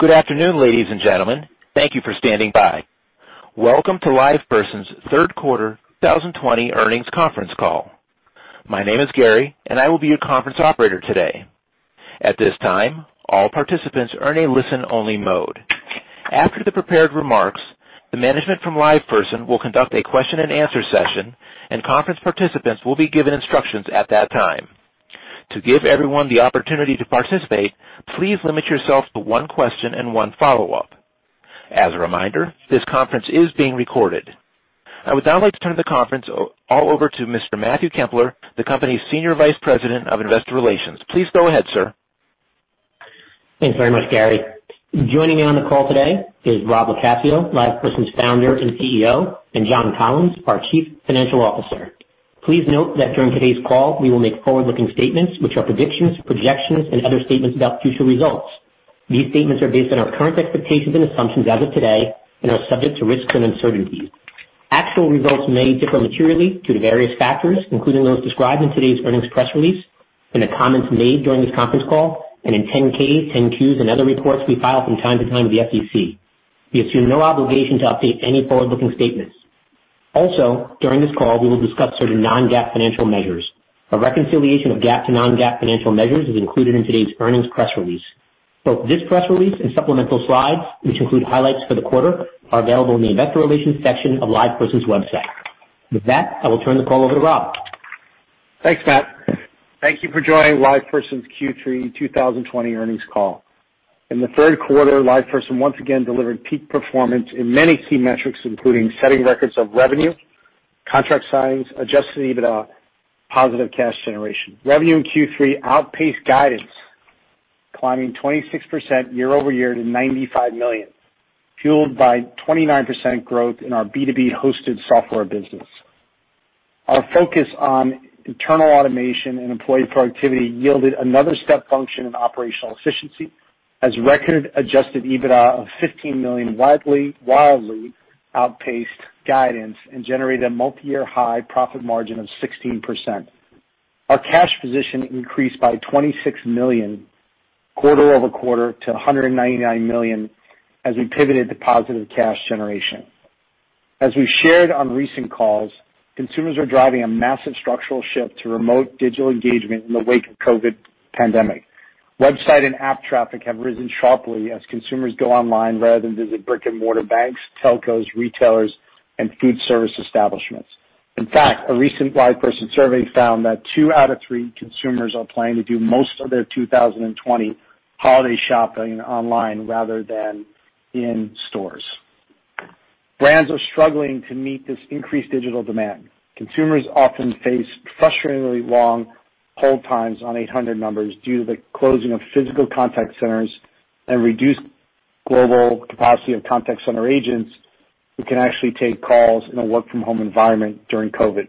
Good afternoon, ladies and gentlemen. Thank you for standing by. Welcome to LivePerson's third quarter 2020 earnings conference call. My name is Gary, and I will be your conference operator today. At this time, all participants are in a listen-only mode. After the prepared remarks, the management from LivePerson will conduct a question and answer session, and conference participants will be given instructions at that time. To give everyone the opportunity to participate, please limit yourself to one question and one follow-up. As a reminder, this conference is being recorded. I would now like to turn the conference all over to Mr. Matthew Kempler, the company's Senior Vice President of Investor Relations. Please go ahead, sir. Thanks very much, Gary. Joining me on the call today is Rob LoCascio, LivePerson's Founder and Chief Executive Officer, and John Collins, our Chief Financial Officer. Please note that during today's call, we will make forward-looking statements, which are predictions, projections, and other statements about future results. These statements are based on our current expectations and assumptions as of today and are subject to risks and uncertainties. Actual results may differ materially due to various factors, including those described in today's earnings press release, in the comments made during this conference call, and in 10-K, 10-Qs, and other reports we file from time to time with the SEC. We assume no obligation to update any forward-looking statements. Also, during this call, we will discuss certain non-GAAP financial measures. A reconciliation of GAAP to non-GAAP financial measures is included in today's earnings press release. Both this press release and supplemental slides, which include highlights for the quarter, are available in the investor relations section of LivePerson's website. With that, I will turn the call over to Rob. Thanks, Matt. Thank you for joining LivePerson's Q3 2020 earnings call. In the third quarter, LivePerson once again delivered peak performance in many key metrics, including setting records of revenue, contract signings, adjusted EBITDA, positive cash generation. Revenue in Q3 outpaced guidance, climbing 26% year-over-year to $95 million, fueled by 29% growth in our B2B hosted software business. Our focus on internal automation and employee productivity yielded another step function in operational efficiency as record adjusted EBITDA of $15 million widely outpaced guidance and generated a multiyear high profit margin of 16%. Our cash position increased by $26 million quarter-over-quarter to $199 million as we pivoted to positive cash generation. As we've shared on recent calls, consumers are driving a massive structural shift to remote digital engagement in the wake of COVID pandemic. Website and app traffic have risen sharply as consumers go online rather than visit brick-and-mortar banks, telcos, retailers, and food service establishments. In fact, a recent LivePerson survey found that two out of three consumers are planning to do most of their 2020 holiday shopping online rather than in stores. Brands are struggling to meet this increased digital demand. Consumers often face frustratingly long hold times on 800 numbers due to the closing of physical contact centers and reduced global capacity of contact center agents who can actually take calls in a work-from-home environment during COVID.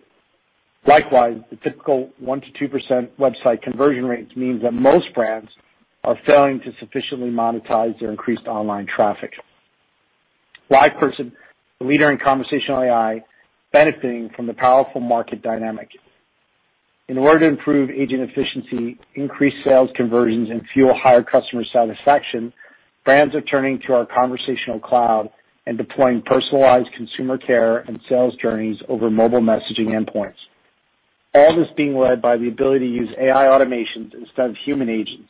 Likewise, the typical one to 2% website conversion rates means that most brands are failing to sufficiently monetize their increased online traffic. LivePerson, the leader in conversational AI, benefiting from the powerful market dynamic. In order to improve agent efficiency, increase sales conversions, and fuel higher customer satisfaction, brands are turning to our Conversational Cloud and deploying personalized consumer care and sales journeys over mobile messaging endpoints. All this being led by the ability to use AI automations instead of human agents.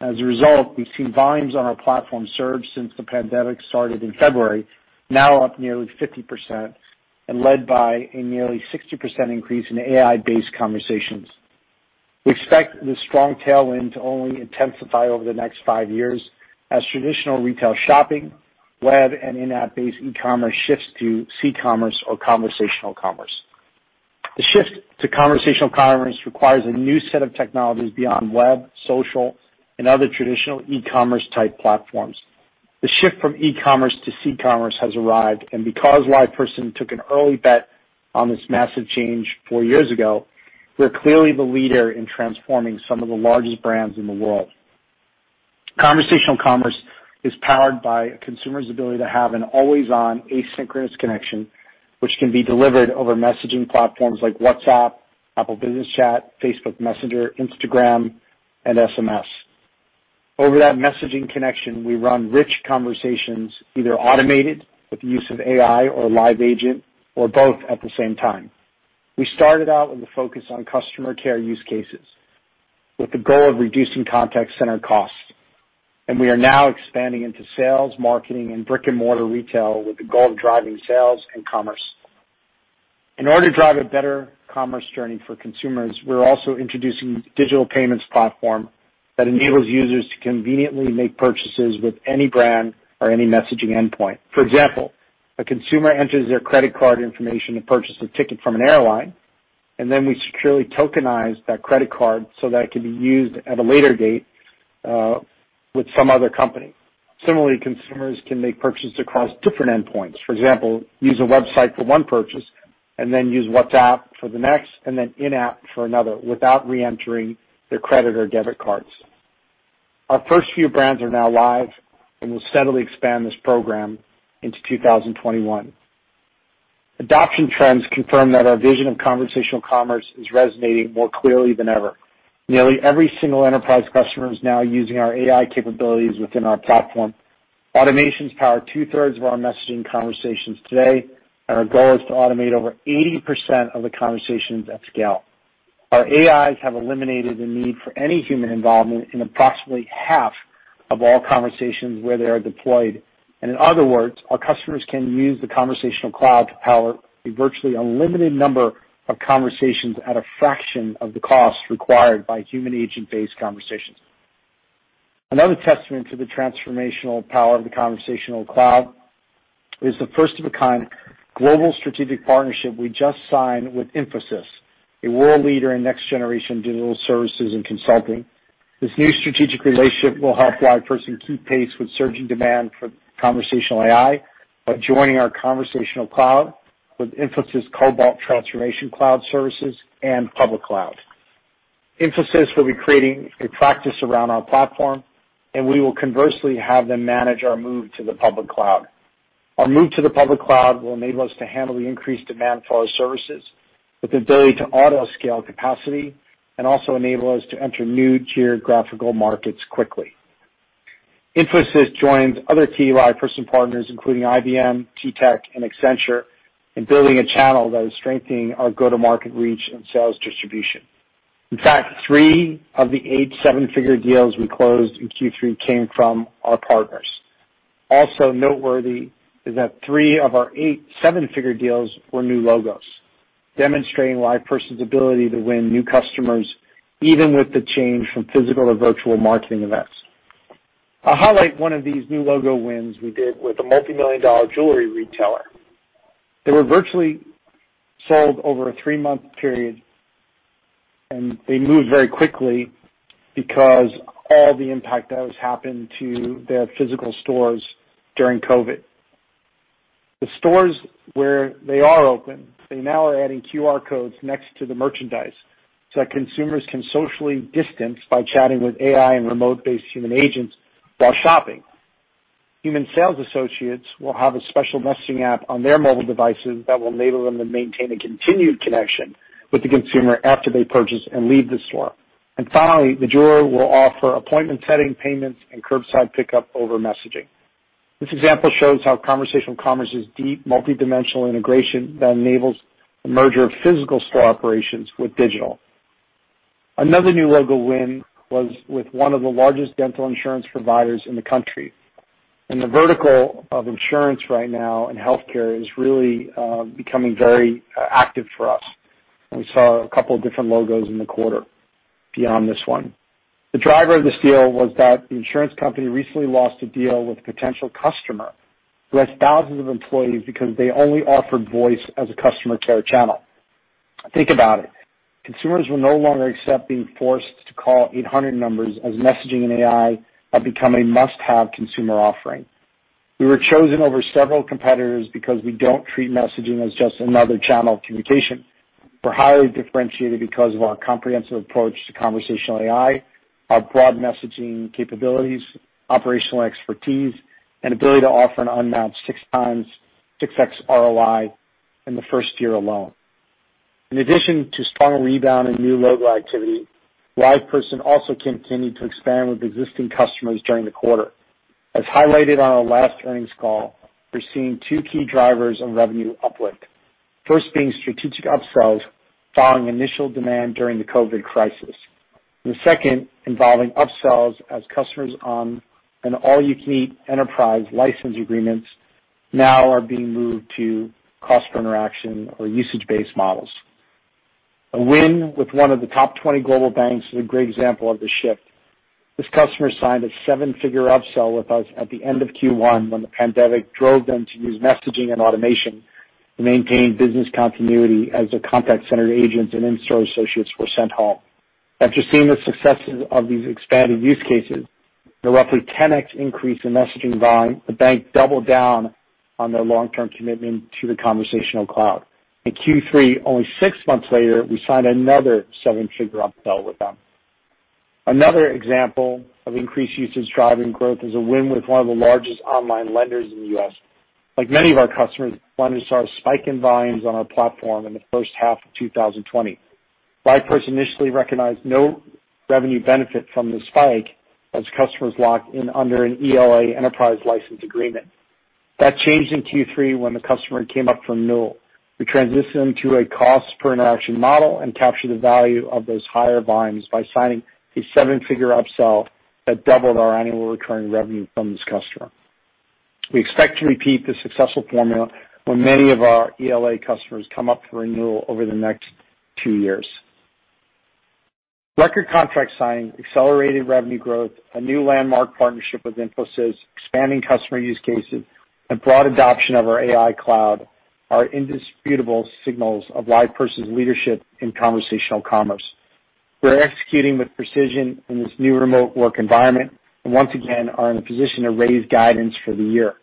As a result, we've seen volumes on our platform surge since the pandemic started in February, now up nearly 50%, and led by a nearly 60% increase in AI-based conversations. We expect this strong tailwind to only intensify over the next five years as traditional retail shopping, web, and in-app-based e-commerce shifts to c-commerce or conversational commerce. The shift to conversational commerce requires a new set of technologies beyond web, social, and other traditional e-commerce type platforms. The shift from e-commerce to c-commerce has arrived, because LivePerson took an early bet on this massive change four years ago, we're clearly the leader in transforming some of the largest brands in the world. Conversational commerce is powered by a consumer's ability to have an always-on asynchronous connection, which can be delivered over messaging platforms like WhatsApp, Apple Business Chat, Facebook Messenger, Instagram, and SMS. Over that messaging connection, we run rich conversations, either automated with the use of AI or a live agent or both at the same time. We started out with a focus on customer care use cases with the goal of reducing contact center costs, we are now expanding into sales, marketing, and brick-and-mortar retail with the goal of driving sales and commerce. In order to drive a better commerce journey for consumers, we're also introducing a digital payments platform that enables users to conveniently make purchases with any brand or any messaging endpoint. For example, a consumer enters their credit card information to purchase a ticket from an airline, and then we securely tokenize that credit card so that it can be used at a later date, with some other company. Similarly, consumers can make purchases across different endpoints. For example, use a website for one purchase, and then use WhatsApp for the next, and then in-app for another without reentering their credit or debit cards. Our first few brands are now live, and we'll steadily expand this program into 2021. Adoption trends confirm that our vision of conversational commerce is resonating more clearly than ever. Nearly every single enterprise customer is now using our AI capabilities within our platform. Automations power two-thirds of our messaging conversations today, and our goal is to automate over 80% of the conversations at scale. Our AIs have eliminated the need for any human involvement in approximately half of all conversations where they are deployed. In other words, our customers can use the Conversational Cloud to power a virtually unlimited number of conversations at a fraction of the cost required by human agent-based conversations. Another testament to the transformational power of the Conversational Cloud is the first-of-its-kind global strategic partnership we just signed with Infosys, a world leader in next-generation digital services and consulting. This new strategic relationship will help LivePerson keep pace with surging demand for conversational AI by joining our Conversational Cloud with Infosys Cobalt Transformation Cloud services and public cloud. Infosys will be creating a practice around our platform, and we will conversely have them manage our move to the public cloud. Our move to the public cloud will enable us to handle the increased demand for our services with the ability to auto-scale capacity and also enable us to enter new geographical markets quickly. Infosys joins other key LivePerson partners, including IBM, TTEC, and Accenture, in building a channel that is strengthening our go-to-market reach and sales distribution. In fact, three of the eight seven-figure deals we closed in Q3 came from our partners. Also noteworthy is that three of our eight seven-figure deals were new logos, demonstrating LivePerson's ability to win new customers, even with the change from physical or virtual marketing events. I'll highlight one of these new logo wins we did with a multimillion-dollar jewelry retailer. They were virtually sold over a three-month period. They moved very quickly because all the impact that has happened to their physical stores during COVID. The stores, where they are open, they now are adding QR codes next to the merchandise so that consumers can socially distance by chatting with AI and remote-based human agents while shopping. Human sales associates will have a special messaging app on their mobile devices that will enable them to maintain a continued connection with the consumer after they purchase and leave the store. Finally, the jeweler will offer appointment setting, payments, and curbside pickup over messaging. This example shows how conversational commerce is deep, multi-dimensional integration that enables the merger of physical store operations with digital. Another new logo win was with one of the largest dental insurance providers in the country. The vertical of insurance right now and healthcare is really becoming very active for us. We saw a couple different logos in the quarter beyond this one. The driver of this deal was that the insurance company recently lost a deal with a potential customer who has thousands of employees because they only offered voice as a customer care channel. Think about it. Consumers will no longer accept being forced to call 800 numbers, as messaging and AI are becoming a must-have consumer offering. We were chosen over several competitors because we don't treat messaging as just another channel of communication. We're highly differentiated because of our comprehensive approach to conversational AI, our broad messaging capabilities, operational expertise, and ability to offer an unmatched 6x ROI in the first year alone. In addition to strong rebound in new logo activity, LivePerson also continued to expand with existing customers during the quarter. As highlighted on our last earnings call, we're seeing two key drivers of revenue uplift. First, being strategic upsells following initial demand during the COVID crisis. The second, involving upsells as customers on an all-you-can-eat enterprise license agreements now are being moved to cost per interaction or usage-based models. A win with one of the top 20 global banks is a great example of the shift. This customer signed a seven-figure upsell with us at the end of Q1 when the pandemic drove them to use messaging and automation to maintain business continuity as their contact center agents and in-store associates were sent home. After seeing the successes of these expanded use cases, the roughly 10x increase in messaging volume, the bank doubled down on their long-term commitment to the Conversational Cloud. In Q3, only six months later, we signed another seven-figure upsell with them. Another example of increased usage driving growth is a win with one of the largest online lenders in the U.S. Like many of our customers, lenders saw a spike in volumes on our platform in the first half of 2020. LivePerson initially recognized no revenue benefit from the spike as customers locked in under an ELA, enterprise license agreement. That changed in Q3 when the customer came up for renewal. We transitioned them to a cost per interaction model and captured the value of those higher volumes by signing a seven-figure upsell that doubled our annual recurring revenue from this customer. We expect to repeat this successful formula when many of our ELA customers come up for renewal over the next two years. Record contract signing, accelerated revenue growth, a new landmark partnership with Infosys, expanding customer use cases, and broad adoption of our AI cloud are indisputable signals of LivePerson's leadership in conversational commerce. We're executing with precision in this new remote work environment and once again are in a position to raise guidance for the year.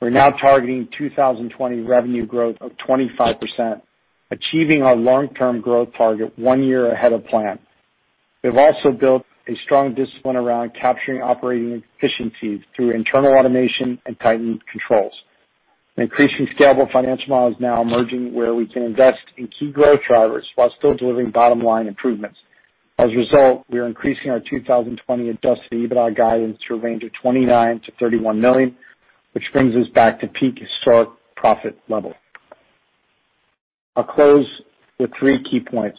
We're now targeting 2020 revenue growth of 25%, achieving our long-term growth target one year ahead of plan. We've also built a strong discipline around capturing operating efficiencies through internal automation and tightened controls. An increasingly scalable financial model is now emerging where we can invest in key growth drivers while still delivering bottom-line improvements. As a result, we are increasing our 2020 adjusted EBITDA guidance to a range of $29 million-$31 million, which brings us back to peak historic profit level. I'll close with three key points.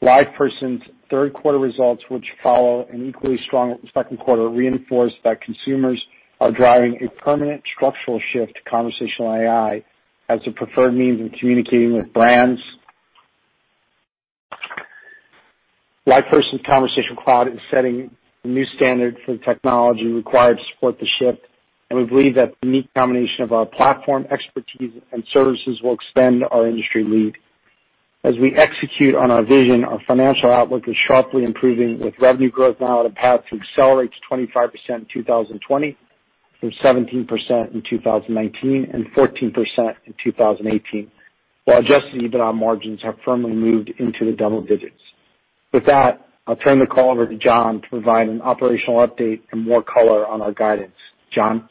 LivePerson's third quarter results, which follow an equally strong second quarter, reinforce that consumers are driving a permanent structural shift to conversational AI as a preferred means of communicating with brands. LivePerson Conversational Cloud is setting a new standard for the technology required to support the shift, and we believe that the unique combination of our platform expertise and services will extend our industry lead. As we execute on our vision, our financial outlook is sharply improving, with revenue growth now on a path to accelerate to 25% in 2020 from 17% in 2019 and 14% in 2018, while adjusted EBITDA margins have firmly moved into the double digits. With that, I'll turn the call over to John to provide an operational update and more color on our guidance. John?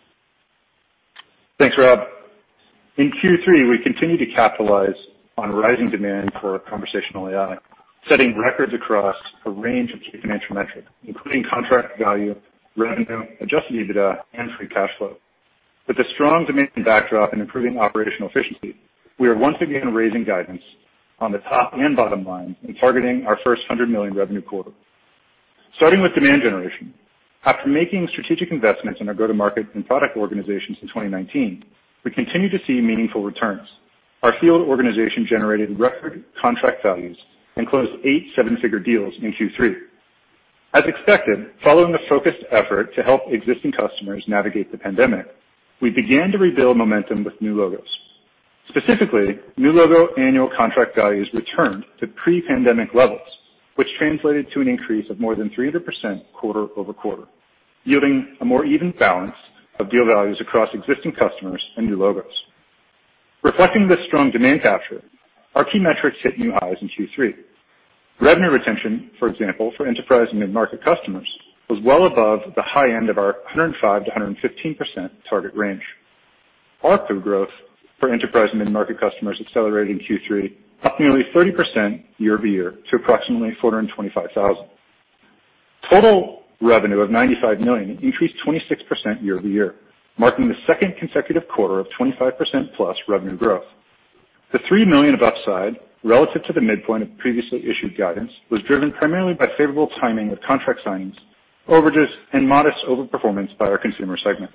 Thanks, Rob. In Q3, we continued to capitalize on rising demand for conversational AI, setting records across a range of key financial metrics, including contract value, revenue, adjusted EBITDA, and free cash flow. With a strong demand backdrop and improving operational efficiency, we are once again raising guidance on the top and bottom line and targeting our first $100 million revenue quarter. Starting with demand generation, after making strategic investments in our go-to-market and product organizations in 2019, we continue to see meaningful returns. Our field organization generated record contract values and closed eight seven-figure deals in Q3. As expected, following a focused effort to help existing customers navigate the pandemic, we began to rebuild momentum with new logos. Specifically, new logo annual contract values returned to pre-pandemic levels, which translated to an increase of more than 300% quarter-over-quarter, yielding a more even balance of deal values across existing customers and new logos. Reflecting this strong demand capture, our key metrics hit new highs in Q3. Revenue retention, for example, for enterprise and mid-market customers, was well above the high end of our 105%-115% target range. ARPU growth for enterprise and mid-market customers accelerated in Q3, up nearly 30% year-over-year to approximately $425,000. Total revenue of $95 million increased 26% year-over-year, marking the second consecutive quarter of 25% plus revenue growth. The $3 million of upside relative to the midpoint of previously issued guidance was driven primarily by favorable timing of contract signings, overages, and modest over-performance by our consumer segment.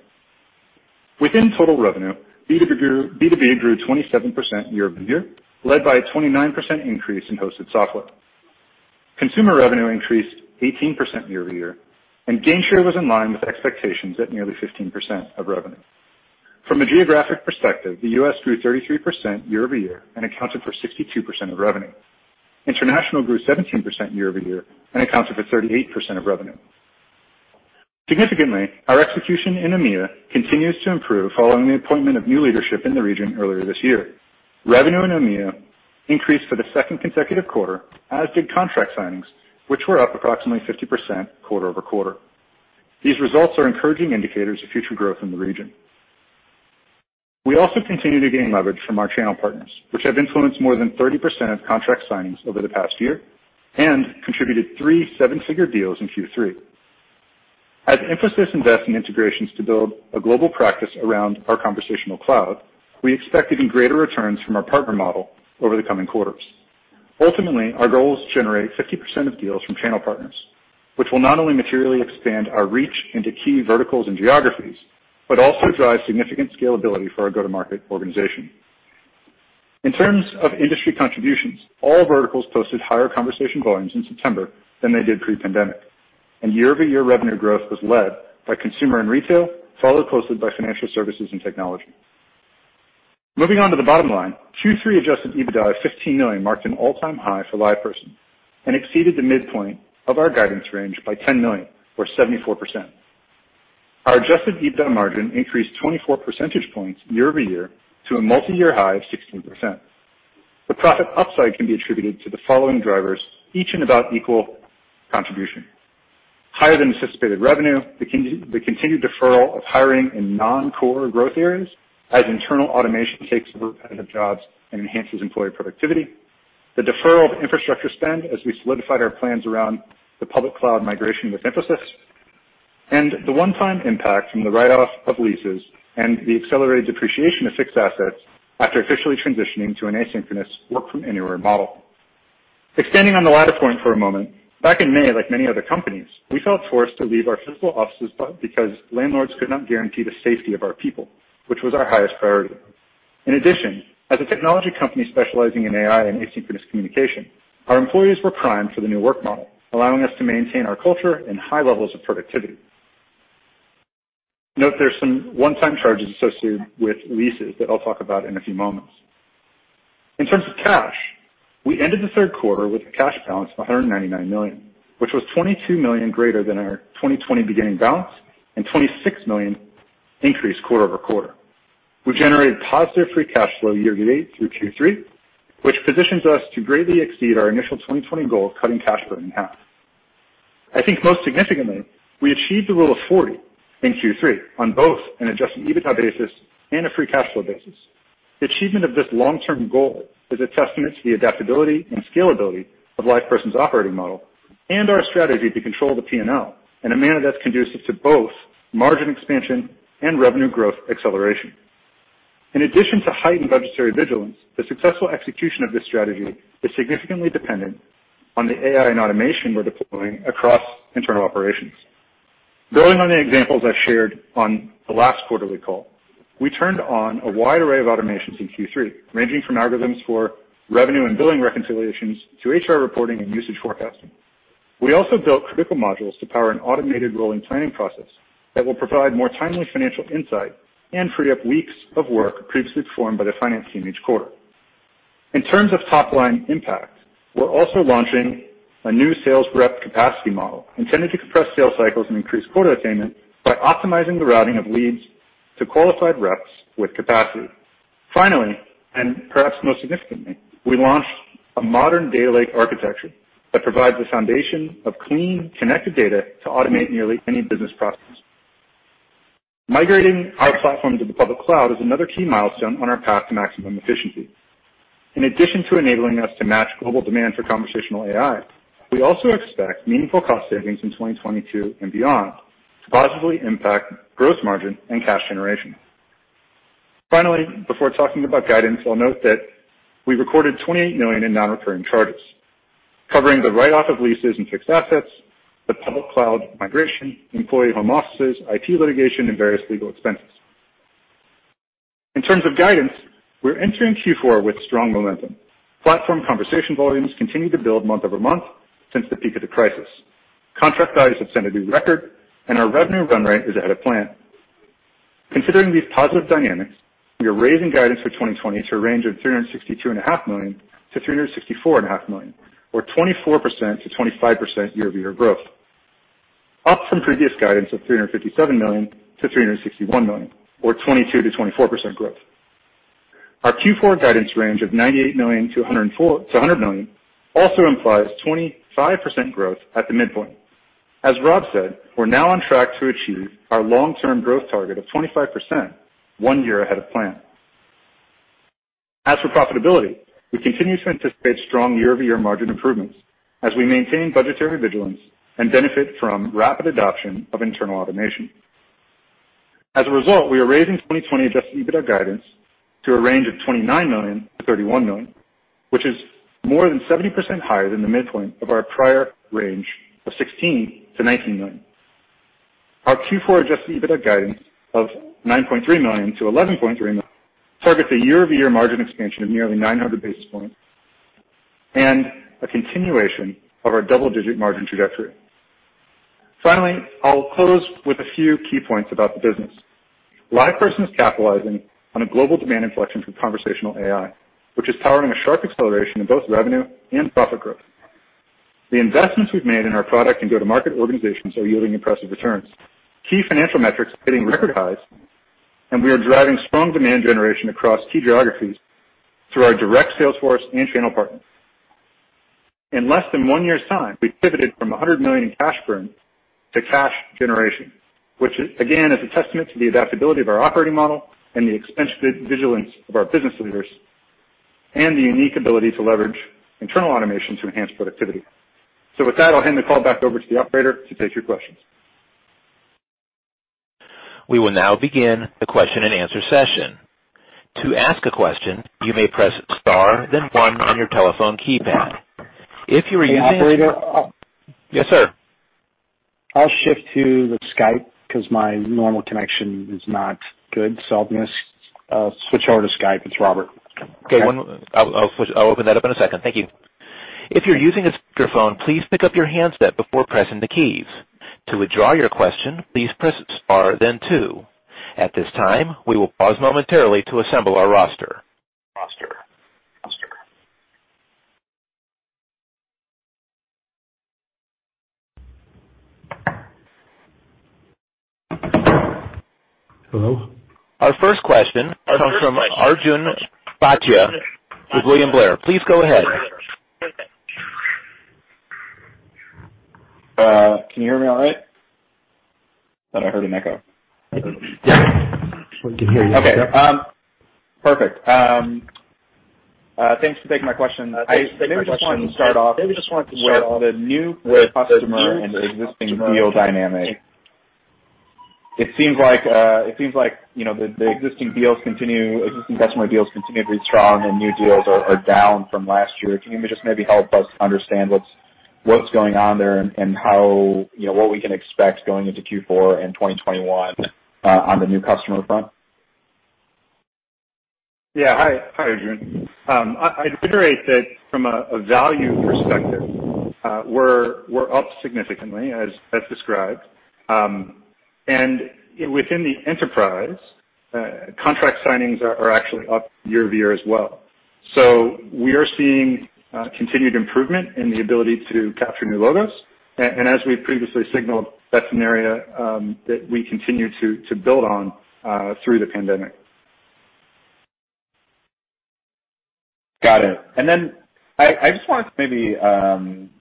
Within total revenue, B2B grew 27% year-over-year, led by a 29% increase in hosted software. Consumer revenue increased 18% year-over-year, gainshare was in line with expectations at nearly 15% of revenue. From a geographic perspective, the U.S. grew 33% year-over-year and accounted for 62% of revenue. International grew 17% year-over-year and accounted for 38% of revenue. Significantly, our execution in EMEA continues to improve following the appointment of new leadership in the region earlier this year. Revenue in EMEA increased for the second consecutive quarter, as did contract signings, which were up approximately 50% quarter-over-quarter. These results are encouraging indicators of future growth in the region. We also continue to gain leverage from our channel partners, which have influenced more than 30% of contract signings over the past year and contributed three seven-figure deals in Q3. As Infosys invests in integrations to build a global practice around our Conversational Cloud, we expect even greater returns from our partner model over the coming quarters. Ultimately, our goal is to generate 50% of deals from channel partners, which will not only materially expand our reach into key verticals and geographies, but also drive significant scalability for our go-to-market organization. In terms of industry contributions, all verticals posted higher conversation volumes in September than they did pre-pandemic, and year-over-year revenue growth was led by consumer and retail, followed closely by financial services and technology. Moving on to the bottom line, Q3 adjusted EBITDA of $15 million marked an all-time high for LivePerson and exceeded the midpoint of our guidance range by $10 million or 74%. Our adjusted EBITDA margin increased 24 percentage points year-over-year to a multiyear high of 16%. The profit upside can be attributed to the following drivers, each in about equal contribution. Higher than anticipated revenue, the continued deferral of hiring in non-core growth areas as internal automation takes repetitive jobs and enhances employee productivity, the deferral of infrastructure spend as we solidified our plans around the public cloud migration with Infosys, and the one-time impact from the write-off of leases and the accelerated depreciation of fixed assets after officially transitioning to an asynchronous work-from-anywhere model. Expanding on the latter point for a moment, back in May, like many other companies, we felt forced to leave our physical offices because landlords could not guarantee the safety of our people, which was our highest priority. In addition, as a technology company specializing in AI and asynchronous communication, our employees were primed for the new work model, allowing us to maintain our culture and high levels of productivity. Note there's some one-time charges associated with leases that I'll talk about in a few moments. In terms of cash, we ended the third quarter with a cash balance of $199 million, which was $22 million greater than our 2020 beginning balance and $26 million increase quarter-over-quarter. We generated positive free cash flow year-to-date through Q3, which positions us to greatly exceed our initial 2020 goal of cutting cash burn in half. I think most significantly, we achieved the Rule of 40 in Q3 on both an adjusted EBITDA basis and a free cash flow basis. The achievement of this long-term goal is a testament to the adaptability and scalability of LivePerson's operating model and our strategy to control the P&L in a manner that's conducive to both margin expansion and revenue growth acceleration. In addition to heightened budgetary vigilance, the successful execution of this strategy is significantly dependent on the AI and automation we're deploying across internal operations. Building on the examples I've shared on the last quarterly call, we turned on a wide array of automations in Q3, ranging from algorithms for revenue and billing reconciliations to HR reporting and usage forecasting. We also built critical modules to power an automated rolling planning process that will provide more timely financial insight and free up weeks of work previously performed by the finance team each quarter. In terms of top-line impact, we're also launching a new sales rep capacity model intended to compress sales cycles and increase quota attainment by optimizing the routing of leads to qualified reps with capacity. Finally, perhaps most significantly, we launched a modern data lake architecture that provides a foundation of clean, connected data to automate nearly any business process. Migrating our platform to the public cloud is another key milestone on our path to maximum efficiency. In addition to enabling us to match global demand for conversational AI, we also expect meaningful cost savings in 2022 and beyond to positively impact gross margin and cash generation. Finally, before talking about guidance, I'll note that we recorded $28 million in non-recurring charges, covering the write-off of leases and fixed assets, the public cloud migration, employee home offices, IP litigation, and various legal expenses. In terms of guidance, we're entering Q4 with strong momentum. Platform conversation volumes continue to build month-over-month since the peak of the crisis. Contract values have set a new record, our revenue run rate is ahead of plan. Considering these positive dynamics, we are raising guidance for 2020 to a range of $362.5 million-$364.5 million, or 24%-25% year-over-year growth, up from previous guidance of $357 million-$361 million, or 22%-24% growth. Our Q4 guidance range of $98 million-$100 million also implies 25% growth at the midpoint. As Rob said, we're now on track to achieve our long-term growth target of 25%, one year ahead of plan. As for profitability, we continue to anticipate strong year-over-year margin improvements as we maintain budgetary vigilance and benefit from rapid adoption of internal automation. As a result, we are raising 2020 adjusted EBITDA guidance to a range of $29 million-$31 million, which is more than 70% higher than the midpoint of our prior range of $16 million-$19 million. Our Q4 adjusted EBITDA guidance of $9.3 million-$11.3 million targets a year-over-year margin expansion of nearly 900 basis points and a continuation of our double-digit margin trajectory. Finally, I'll close with a few key points about the business. LivePerson is capitalizing on a global demand inflection for conversational AI, which is powering a sharp acceleration in both revenue and profit growth. The investments we've made in our product and go-to-market organizations are yielding impressive returns, key financial metrics hitting record highs, and we are driving strong demand generation across key geographies through our direct sales force and channel partners. In less than one year's time, we pivoted from $100 million in cash burn to cash generation, which again, is a testament to the adaptability of our operating model and the expense vigilance of our business leaders and the unique ability to leverage internal automation to enhance productivity. With that, I'll hand the call back over to the operator to take your questions. We will now begin the question-and-answer session. To ask a question, you may press star then one on your telephone keypad. If you are using- Hey, operator. Yes, sir. I'll shift to the Skype because my normal connection is not good, so I'm going to switch over to Skype. It's Robert. Okay. I'll open that up in a second. Thank you. If you're using a speakerphone, please pick up your handset before pressing the keys. To withdraw your question, please press star then two. At this time, we will pause momentarily to assemble our roster. Hello? Our first question comes from Arjun Bhatia with William Blair. Please go ahead. Can you hear me all right? Thought I heard an echo. We can hear you. Okay. Perfect. Thanks for taking my question. I maybe just wanted to start off with the new customer and existing deal dynamic. It seems like the existing customer deals continue to be strong and new deals are down from last year. Can you maybe just maybe help us understand what's going on there and what we can expect going into Q4 and 2021 on the new customer front? Yeah. Hi, Arjun. I'd reiterate that from a value perspective, we're up significantly, as described. Within the enterprise, contract signings are actually up year-over-year as well. We are seeing continued improvement in the ability to capture new logos. As we've previously signaled, that's an area that we continue to build on through the pandemic. Got it. I just wanted to maybe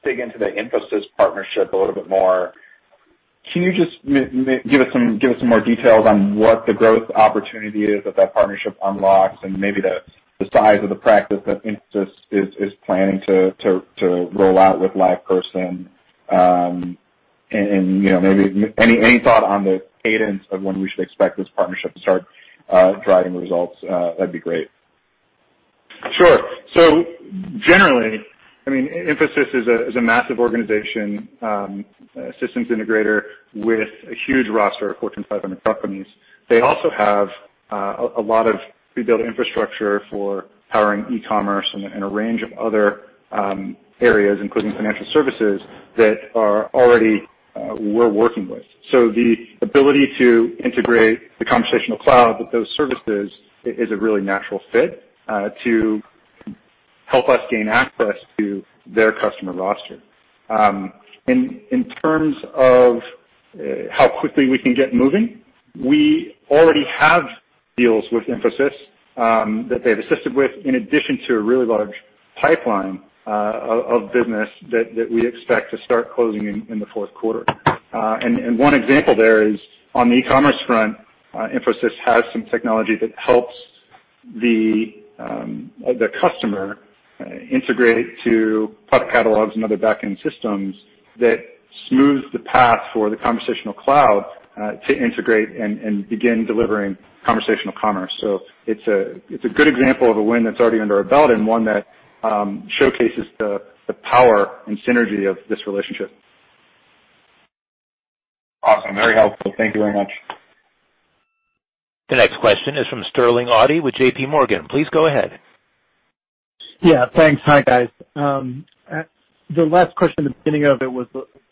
dig into the Infosys partnership a little bit more. Can you just give us some more details on what the growth opportunity is that that partnership unlocks, and maybe the size of the practice that Infosys is planning to roll out with LivePerson? Maybe any thought on the cadence of when we should expect this partnership to start driving results, that'd be great. Sure. Generally, Infosys is a massive organization, systems integrator with a huge roster of Fortune 500 companies. They also have a lot of pre-built infrastructure for powering e-commerce and a range of other areas, including financial services, that already we're working with. The ability to integrate the Conversational Cloud with those services is a really natural fit to help us gain access to their customer roster. In terms of how quickly we can get moving, we already have deals with Infosys that they've assisted with, in addition to a really large pipeline of business that we expect to start closing in the fourth quarter. One example there is on the e-commerce front, Infosys has some technology that helps the customer integrate to product catalogs and other back-end systems that smooths the path for the Conversational Cloud to integrate and begin delivering conversational commerce. It's a good example of a win that's already under our belt and one that showcases the power and synergy of this relationship. Awesome. Very helpful. Thank you very much. The next question is from Sterling Auty with JPMorgan. Please go ahead. Yeah, thanks. Hi, guys. The last question, the beginning of it was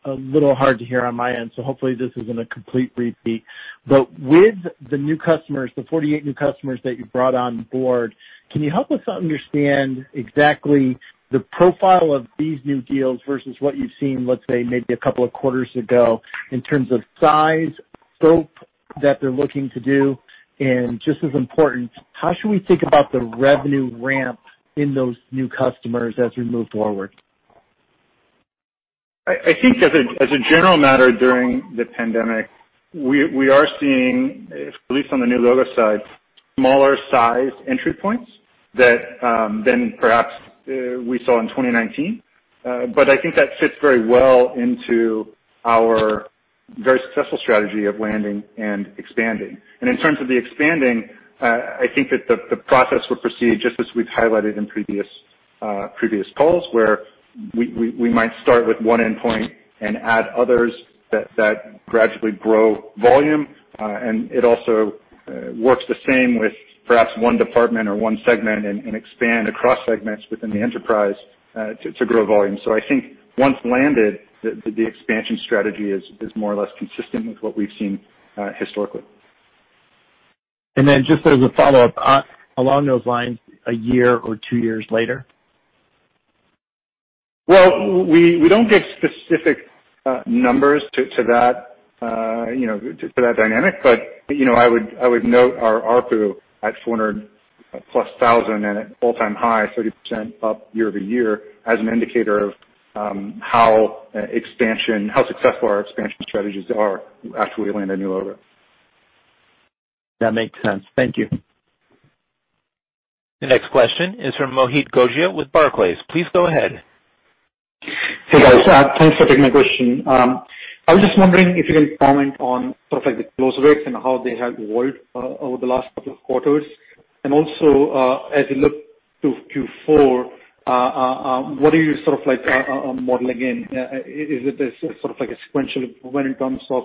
a little hard to hear on my end. Hopefully this isn't a complete repeat. With the new customers, the 48 new customers that you brought on board, can you help us understand exactly the profile of these new deals versus what you've seen, let's say, maybe a couple of quarters ago in terms of size, scope that they're looking to do? Just as important, how should we think about the revenue ramp in those new customers as we move forward? I think as a general matter during the pandemic, we are seeing, at least on the new logo side, smaller size entry points than perhaps we saw in 2019. I think that fits very well into our very successful strategy of landing and expanding. In terms of the expanding, I think that the process would proceed just as we've highlighted in previous calls, where we might start with one endpoint and add others that gradually grow volume. It also works the same with perhaps one department or one segment and expand across segments within the enterprise to grow volume. I think once landed, the expansion strategy is more or less consistent with what we've seen historically. Just as a follow-up, along those lines, a year or two years later? Well, we don't give specific numbers to that dynamic. I would note our ARPU at $400,000 plus and at all-time high, 30% up year-over-year, as an indicator of how successful our expansion strategies are after we land a new logo. That makes sense. Thank you. The next question is from Mohit Gogia with Barclays. Please go ahead. Hey, guys. Thanks for taking my question. I was just wondering if you can comment on sort of like the close rates and how they have evolved over the last couple of quarters. Also, as you look to Q4, what are you sort of like modeling in? Is it sort of like a sequential improvement in terms of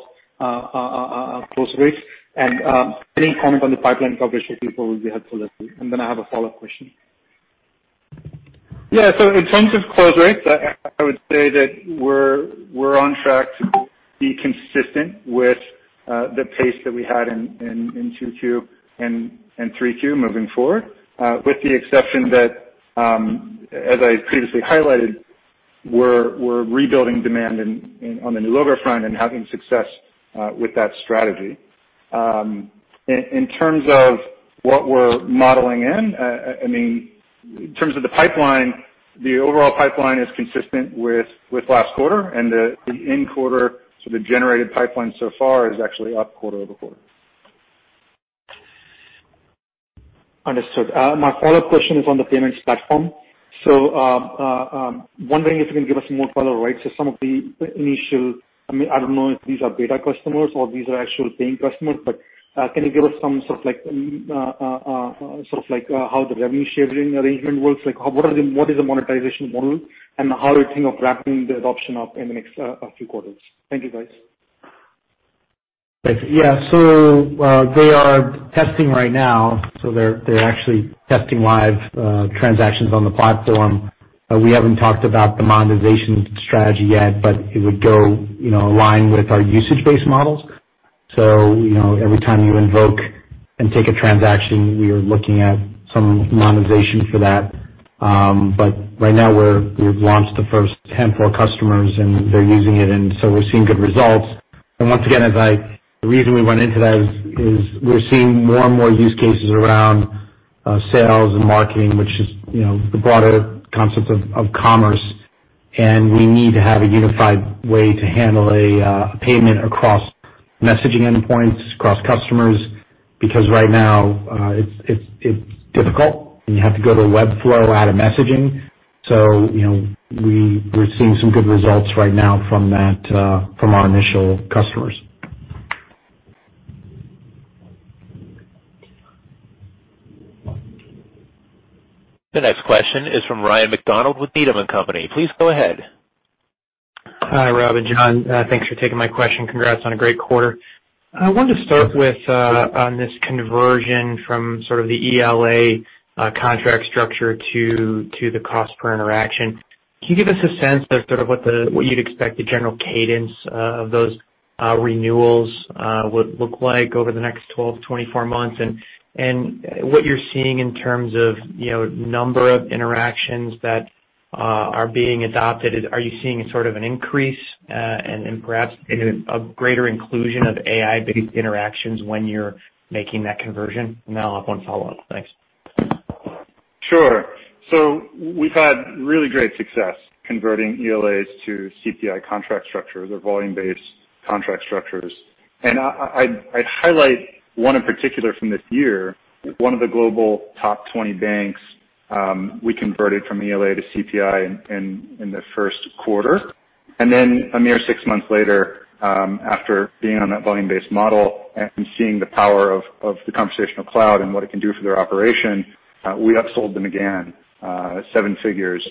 close rates? Any comment on the pipeline coverage for Q4 would be helpful as well. Then I have a follow-up question. Yeah. In terms of close rates, I would say that we're on track to be consistent with the pace that we had in 2Q and 3Q moving forward, with the exception that as I previously highlighted, we're rebuilding demand on the new logo front and having success with that strategy. In terms of what we're modeling in terms of the pipeline, the overall pipeline is consistent with last quarter. The in-quarter sort of generated pipeline so far is actually up quarter-over-quarter. Understood. My follow-up question is on the payments platform. Wondering if you can give us more color, right? Some of the initial, I don't know if these are beta customers or these are actual paying customers, but can you give us some sort of like how the revenue sharing arrangement works? Like what is the monetization model, and how are you thinking of ramping the adoption up in the next few quarters? Thank you, guys. Thanks. Yeah. They are testing right now, they're actually testing live transactions on the platform. We haven't talked about the monetization strategy yet, it would go in line with our usage-based models. Every time you invoke and take a transaction, we are looking at some monetization for that. Right now, we've launched the first 10 for our customers, and they're using it, and so we're seeing good results. Once again, the reason we went into that is we're seeing more and more use cases around sales and marketing, which is the broader concept of commerce. We need to have a unified way to handle a payment across messaging endpoints, across customers, because right now, it's difficult, and you have to go to a web flow out of messaging. We're seeing some good results right now from our initial customers. The next question is from Ryan MacDonald with Needham & Company. Please go ahead. Hi, Rob and John. Thanks for taking my question. Congrats on a great quarter. I wanted to start with on this conversion from sort of the ELA contract structure to the cost per interaction. Can you give us a sense of sort of what you'd expect the general cadence of those renewals would look like over the next 12, 24 months, and what you're seeing in terms of number of interactions that are being adopted? Are you seeing sort of an increase, and perhaps a greater inclusion of AI-based interactions when you're making that conversion? Then I'll have one follow-up. Thanks. Sure. We've had really great success converting ELAs to CPI contract structures or volume-based contract structures. I'd highlight one in particular from this year. One of the global top 20 banks, we converted from ELA to CPI in the first quarter. A mere six months later, after being on that volume-based model and seeing the power of the Conversational Cloud and what it can do for their operation, we upsold them again seven figures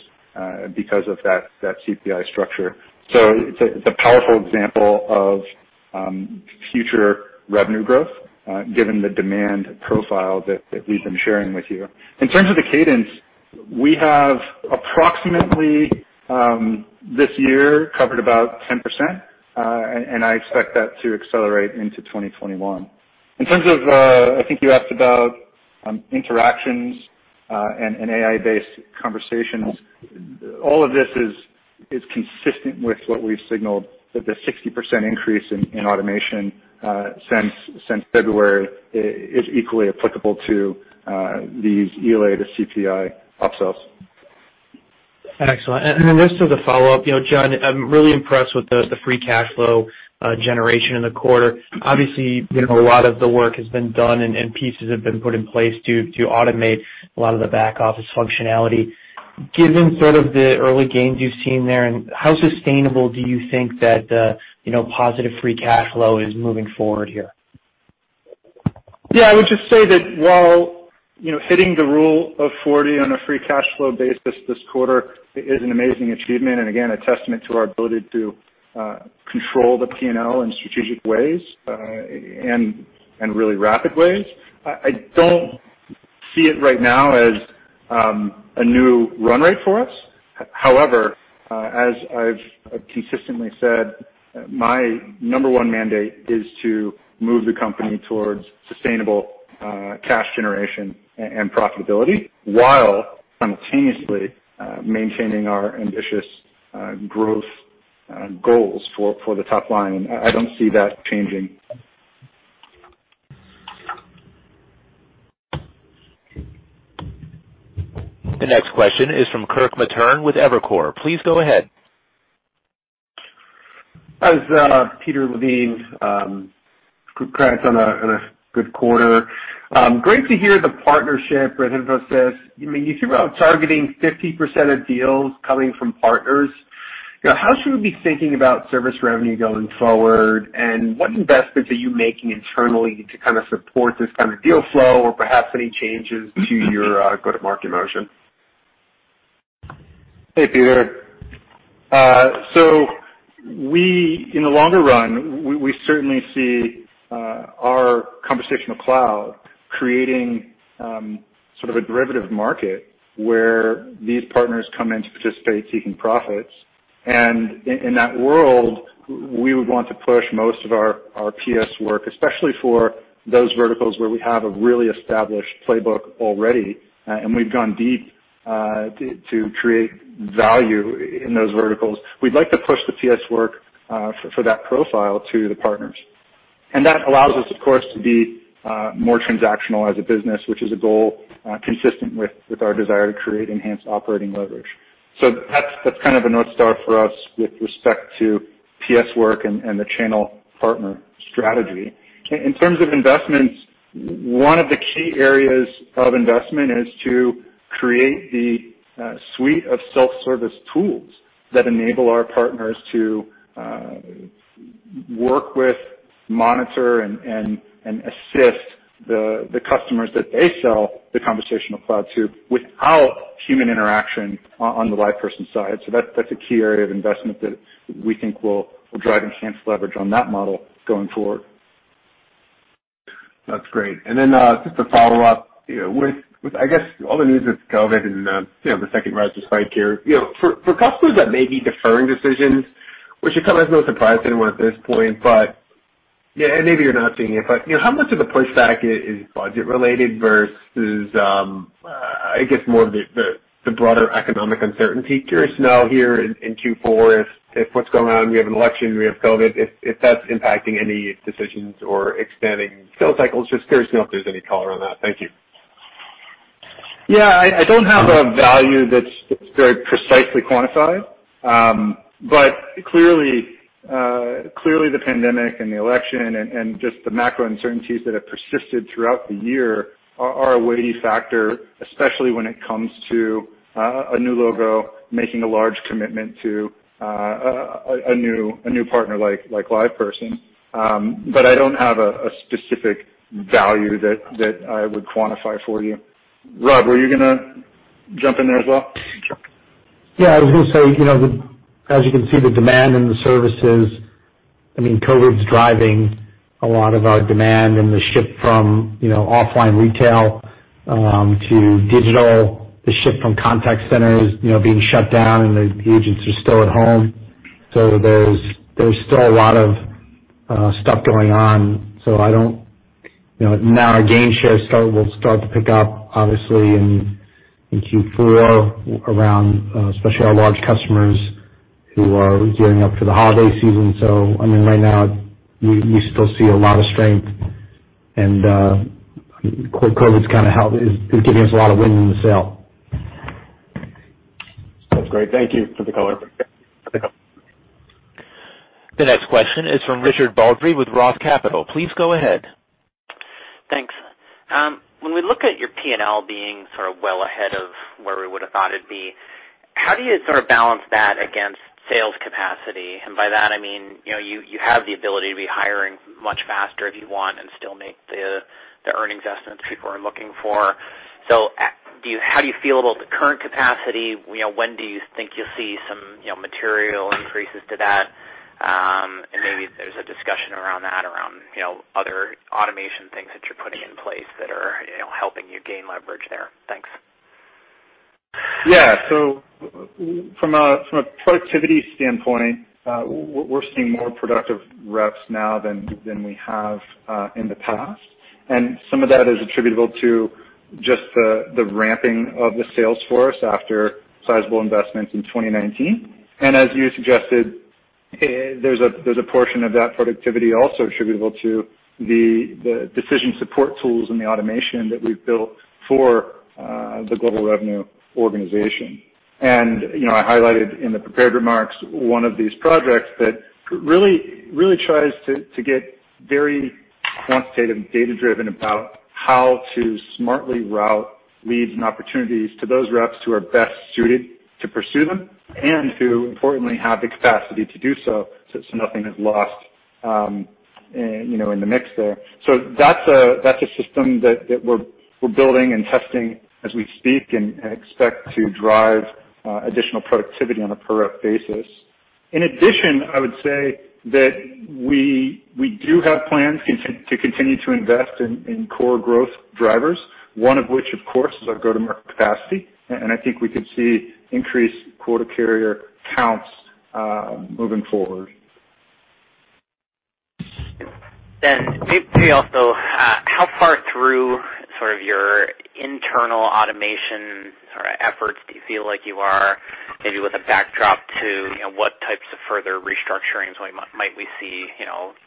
because of that CPI structure. It's a powerful example of future revenue growth, given the demand profile that we've been sharing with you. In terms of the cadence, we have approximately this year covered about 10%, and I expect that to accelerate into 2021. In terms of, I think you asked about interactions and AI-based conversations. All of this is consistent with what we've signaled, that the 60% increase in automation since February is equally applicable to these ELA to CPI upsells. Excellent. Then just as a follow-up, John, I'm really impressed with the free cash flow generation in the quarter. Obviously, a lot of the work has been done, and pieces have been put in place to automate a lot of the back office functionality. Given sort of the early gains you've seen there, how sustainable do you think that positive free cash flow is moving forward here? Yeah, I would just say that while hitting the Rule of 40 on a free cash flow basis this quarter is an amazing achievement, and again, a testament to our ability to control the P&L in strategic ways and really rapid ways. I don't see it right now as a new run rate for us. However, as I've consistently said, my number one mandate is to move the company towards sustainable cash generation and profitability while simultaneously maintaining our ambitious growth goals for the top line. I don't see that changing. The next question is from Kirk Materne with Evercore. Please go ahead. It's Peter Levine, congrats on a good quarter. Great to hear the partnership with Infosys. You talk about targeting 50% of deals coming from partners. How should we be thinking about service revenue going forward, and what investments are you making internally to kind of support this kind of deal flow or perhaps any changes to your go-to-market motion? Hey, Peter. In the longer run, we certainly see our Conversational Cloud creating sort of a derivative market where these partners come in to participate seeking profits. In that world, we would want to push most of our PS work, especially for those verticals where we have a really established playbook already, and we've gone deep to create value in those verticals. We'd like to push the PS work for that profile to the partners. That allows us, of course, to be more transactional as a business, which is a goal consistent with our desire to create enhanced operating leverage. That's kind of a North Star for us with respect to PS work and the channel partner strategy. In terms of investments, one of the key areas of investment is to create the suite of self-service tools that enable our partners to work with, monitor, and assist the customers that they sell the Conversational Cloud to without human interaction on the LivePerson side. That's a key area of investment that we think will drive enhanced leverage on that model going forward. That's great. Then just a follow-up, with, I guess all the news with COVID and the second rise or spike here, for customers that may be deferring decisions, which it comes as no surprise to anyone at this point, but yeah, and maybe you're not seeing it, but how much of the pushback is budget related versus, I guess more of the broader economic uncertainty? Curious to know here in Q4 if what's going on, we have an election, we have COVID, if that's impacting any decisions or extending sales cycles. Just curious to know if there's any color on that. Thank you. Yeah. I don't have a value that's very precisely quantified. Clearly the pandemic and the election and just the macro uncertainties that have persisted throughout the year are a weighty factor, especially when it comes to a new logo making a large commitment to a new partner like LivePerson. I don't have a specific value that I would quantify for you. Rob, were you going to jump in there as well? Yeah, I was going to say, as you can see the demand and the services, COVID's driving a lot of our demand and the shift from offline retail to digital, the shift from contact centers being shut down and the agents are still at home. There's still a lot of stuff going on. Now our gainshare will start to pick up obviously in Q4 around especially our large customers who are gearing up for the holiday season. Right now we still see a lot of strength and COVID's giving us a lot of wind in the sail. That's great. Thank you for the color. The next question is from Richard Baldry with Roth Capital. Please go ahead. Thanks. When we look at your P&L being well ahead of where we would've thought it'd be, how do you balance that against sales capacity? By that I mean, you have the ability to be hiring much faster if you want and still make the earnings estimates people are looking for. How do you feel about the current capacity? When do you think you'll see some material increases to that? Maybe there's a discussion around that, around other automation things that you're putting in place that are helping you gain leverage there. Thanks. Yeah. From a productivity standpoint, we're seeing more productive reps now than we have in the past. Some of that is attributable to just the ramping of the sales force after sizable investments in 2019. As you suggested, there's a portion of that productivity also attributable to the decision support tools and the automation that we've built for the global revenue organization. I highlighted in the prepared remarks one of these projects that really tries to get very quantitative and data-driven about how to smartly route leads and opportunities to those reps who are best suited to pursue them, and who importantly have the capacity to do so nothing is lost in the mix there. That's a system that we're building and testing as we speak and expect to drive additional productivity on a per rep basis. I would say that we do have plans to continue to invest in core growth drivers, one of which of course is our go-to-market capacity, and I think we could see increased quota carrier counts moving forward. Maybe also how far through your internal automation efforts do you feel like you are, maybe with a backdrop to what types of further restructurings might we see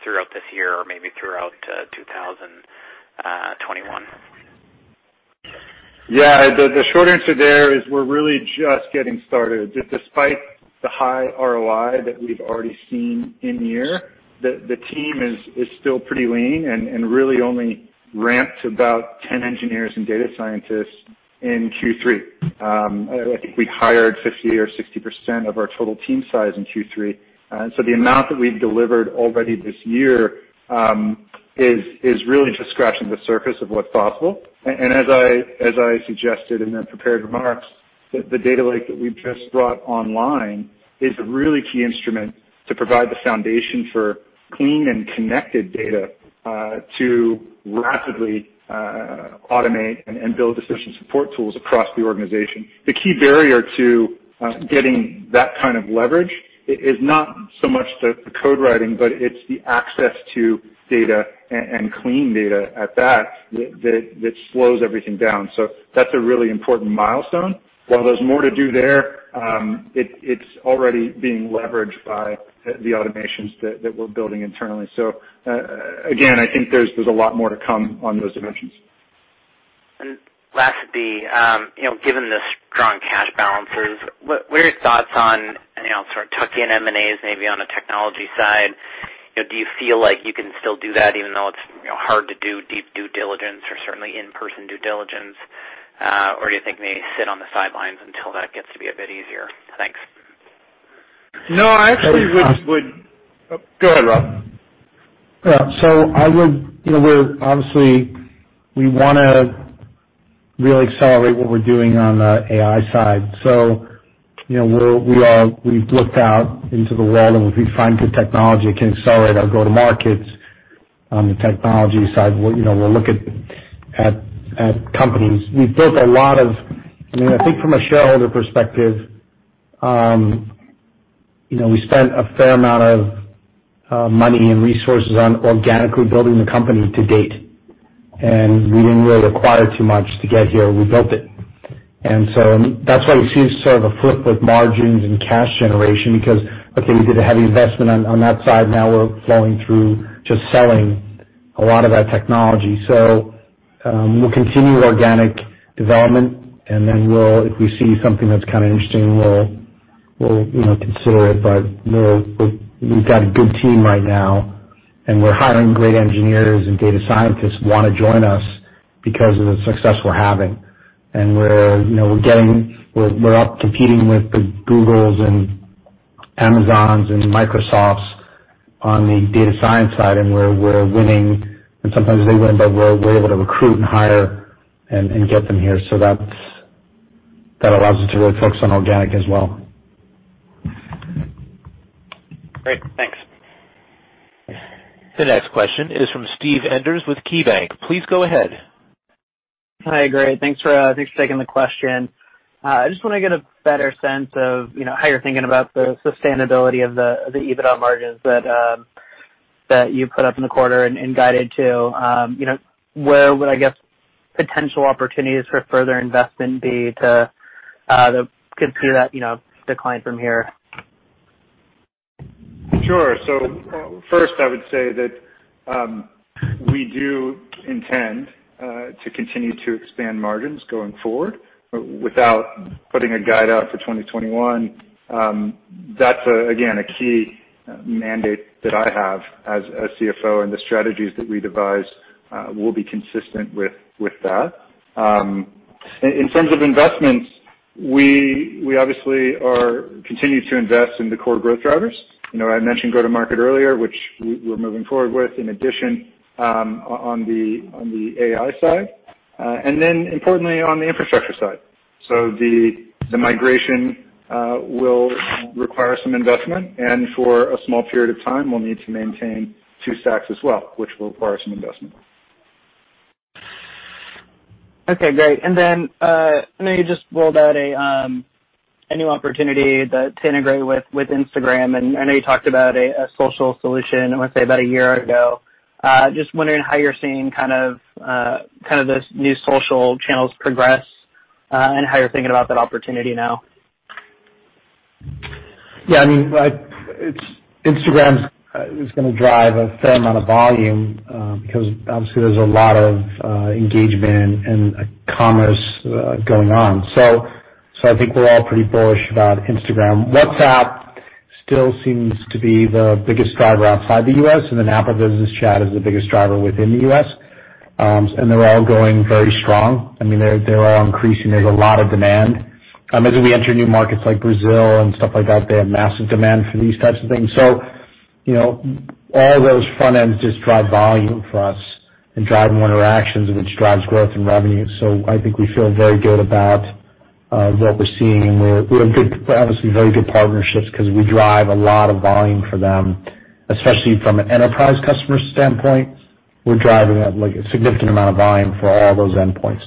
throughout this year or maybe throughout 2021? Yeah. The short answer there is we're really just getting started. Despite the high ROI that we've already seen in the year, the team is still pretty lean and really only ramped about 10 engineers and data scientists in Q3. I think we hired 50% or 60% of our total team size in Q3. The amount that we've delivered already this year is really just scratching the surface of what's possible. As I suggested in the prepared remarks, the data lake that we've just brought online is a really key instrument to provide the foundation for clean and connected data to rapidly automate and build decision support tools across the organization. The key barrier to getting that kind of leverage is not so much the code writing, but it's the access to data, and clean data at that slows everything down. That's a really important milestone. While there's more to do there, it's already being leveraged by the automations that we're building internally. Again, I think there's a lot more to come on those dimensions. Lastly, given the strong cash balances, what are your thoughts on tuck-in M&As maybe on the technology side? Do you feel like you can still do that even though it's hard to do deep due diligence or certainly in-person due diligence? Or do you think maybe sit on the sidelines until that gets to be a bit easier? Thanks. Go ahead, Rob. Yeah. Obviously we want to really accelerate what we're doing on the AI side. We've looked out into the world, and if we find good technology that can accelerate our go-to-markets on the technology side, we'll look at companies. I think from a shareholder perspective, we spent a fair amount of money and resources on organically building the company to date, and we didn't really acquire too much to get here. We built it. That's why you see sort of a flip with margins and cash generation because, okay, we did a heavy investment on that side. Now we're flowing through just selling a lot of that technology. We'll continue organic development, and then if we see something that's interesting, we'll consider it. We've got a good team right now, and we're hiring great engineers and data scientists who want to join us because of the success we're having. We're up competing with the Googles and Amazons and Microsofts on the data science side, and we're winning. Sometimes they win, but we're able to recruit and hire and get them here. That allows us to really focus on organic as well. Great, thanks. The next question is from Steve Enders with KeyBanc. Please go ahead. Hi, great. Thanks for taking the question. I just want to get a better sense of how you're thinking about the sustainability of the EBITDA margins that you put up in the quarter and guided to. Where would potential opportunities for further investment be to continue that decline from here? Sure. First, I would say that we do intend to continue to expand margins going forward without putting a guide out for 2021. That's, again, a key mandate that I have as CFO, and the strategies that we devise will be consistent with that. In terms of investments, we obviously continue to invest in the core growth drivers. I mentioned go-to-market earlier, which we're moving forward with, in addition, on the AI side, and then importantly on the infrastructure side. The migration will require some investment, and for a small period of time, we'll need to maintain two stacks as well, which will require some investment. Okay, great. I know you just rolled out a new opportunity to integrate with Instagram, and I know you talked about a social solution, I want to say about a year ago. Just wondering how you're seeing these new social channels progress, and how you're thinking about that opportunity now. Yeah, Instagram is going to drive a fair amount of volume because obviously there's a lot of engagement and commerce going on. I think we're all pretty bullish about Instagram. WhatsApp still seems to be the biggest driver outside the U.S., Apple Business Chat is the biggest driver within the U.S. They're all going very strong. They are increasing. There's a lot of demand. As we enter new markets like Brazil and stuff like that, they have massive demand for these types of things. All those front ends just drive volume for us and drive more interactions, which drives growth and revenue. I think we feel very good about what we're seeing, and we have obviously very good partnerships because we drive a lot of volume for them, especially from an enterprise customer standpoint. We're driving a significant amount of volume for all those endpoints.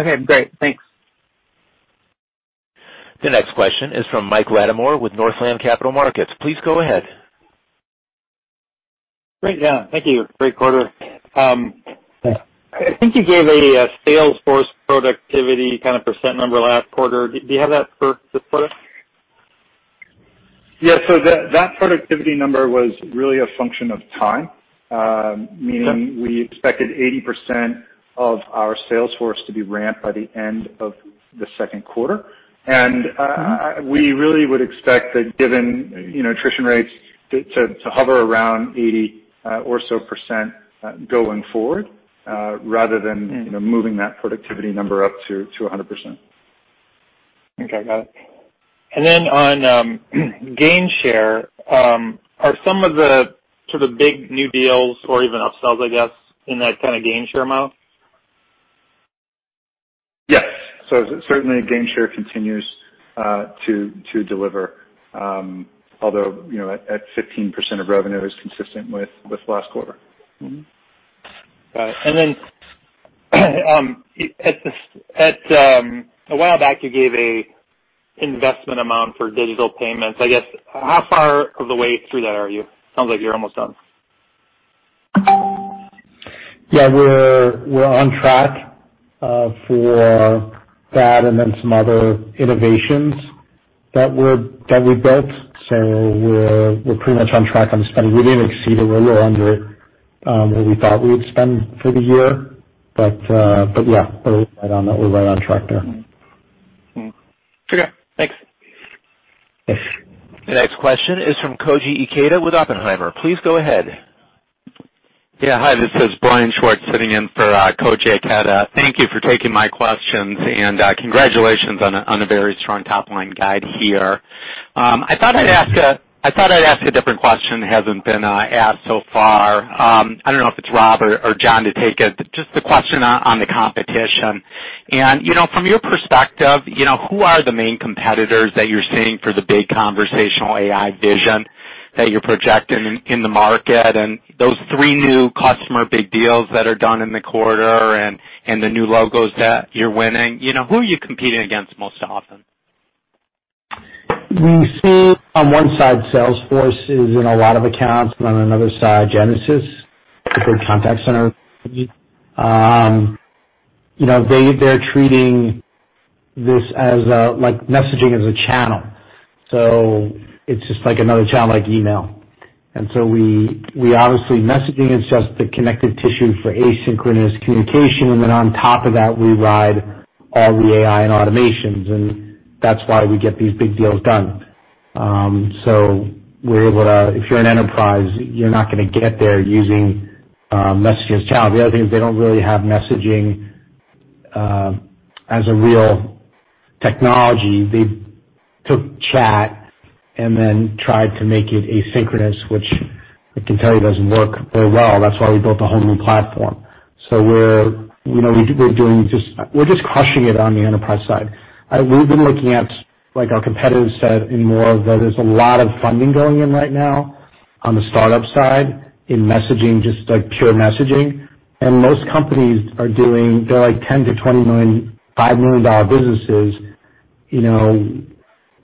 Okay, great. Thanks. The next question is from Mike Latimore with Northland Capital Markets. Please go ahead. Great. Yeah. Thank you. Great quarter. Yeah. I think you gave a sales force productivity percent number last quarter. Do you have that for this quarter? Yeah. That productivity number was really a function of time. Okay. Meaning we expected 80% of our sales force to be ramped by the end of the second quarter. We really would expect that given attrition rates, to hover around 80% or so, going forward, rather than moving that productivity number up to 100%. Okay, got it. On gainshare, are some of the sort of big new deals or even upsells, I guess, in that kind of gainshare amount? Yes. certainly gainshare continues to deliver, although at 15% of revenue is consistent with last quarter. Got it. A while back, you gave an investment amount for digital payments. I guess, how far of the way through that are you? Sounds like you're almost done. Yeah, we're on track for that and then some other innovations that we built. We're pretty much on track on spending. We didn't exceed it. We're a little under what we thought we would spend for the year. We're right on track there. Okay. Thanks. Yes. The next question is from Koji Ikeda with Oppenheimer. Please go ahead. Yeah. Hi, this is Brian Schwartz sitting in for Koji Ikeda. Thank you for taking my questions, and congratulations on a very strong top-line guide here. I thought I'd ask a different question that hasn't been asked so far. I don't know if it's Rob or John to take it, but just a question on the competition. From your perspective, who are the main competitors that you're seeing for the big conversational AI vision that you're projecting in the market, and those three new customer big deals that are done in the quarter, and the new logos that you're winning. Who are you competing against most often? We see on one side, Salesforce is in a lot of accounts, and on another side, Genesys, a good contact center. They're treating this as messaging as a channel. It's just like another channel like email. Obviously, messaging is just the connective tissue for asynchronous communication, and then on top of that, we ride all the AI and automations, and that's why we get these big deals done. If you're an enterprise, you're not going to get there using message as a channel. The other thing is they don't really have messaging as a real technology. They took chat and then tried to make it asynchronous, which I can tell you doesn't work very well. That's why we built a whole new platform. We're just crushing it on the enterprise side. We've been looking at our competitor set. More of that there's a lot of funding going in right now on the startup side in messaging, just pure messaging. Most companies are doing, they're like $10 million-$25 million businesses.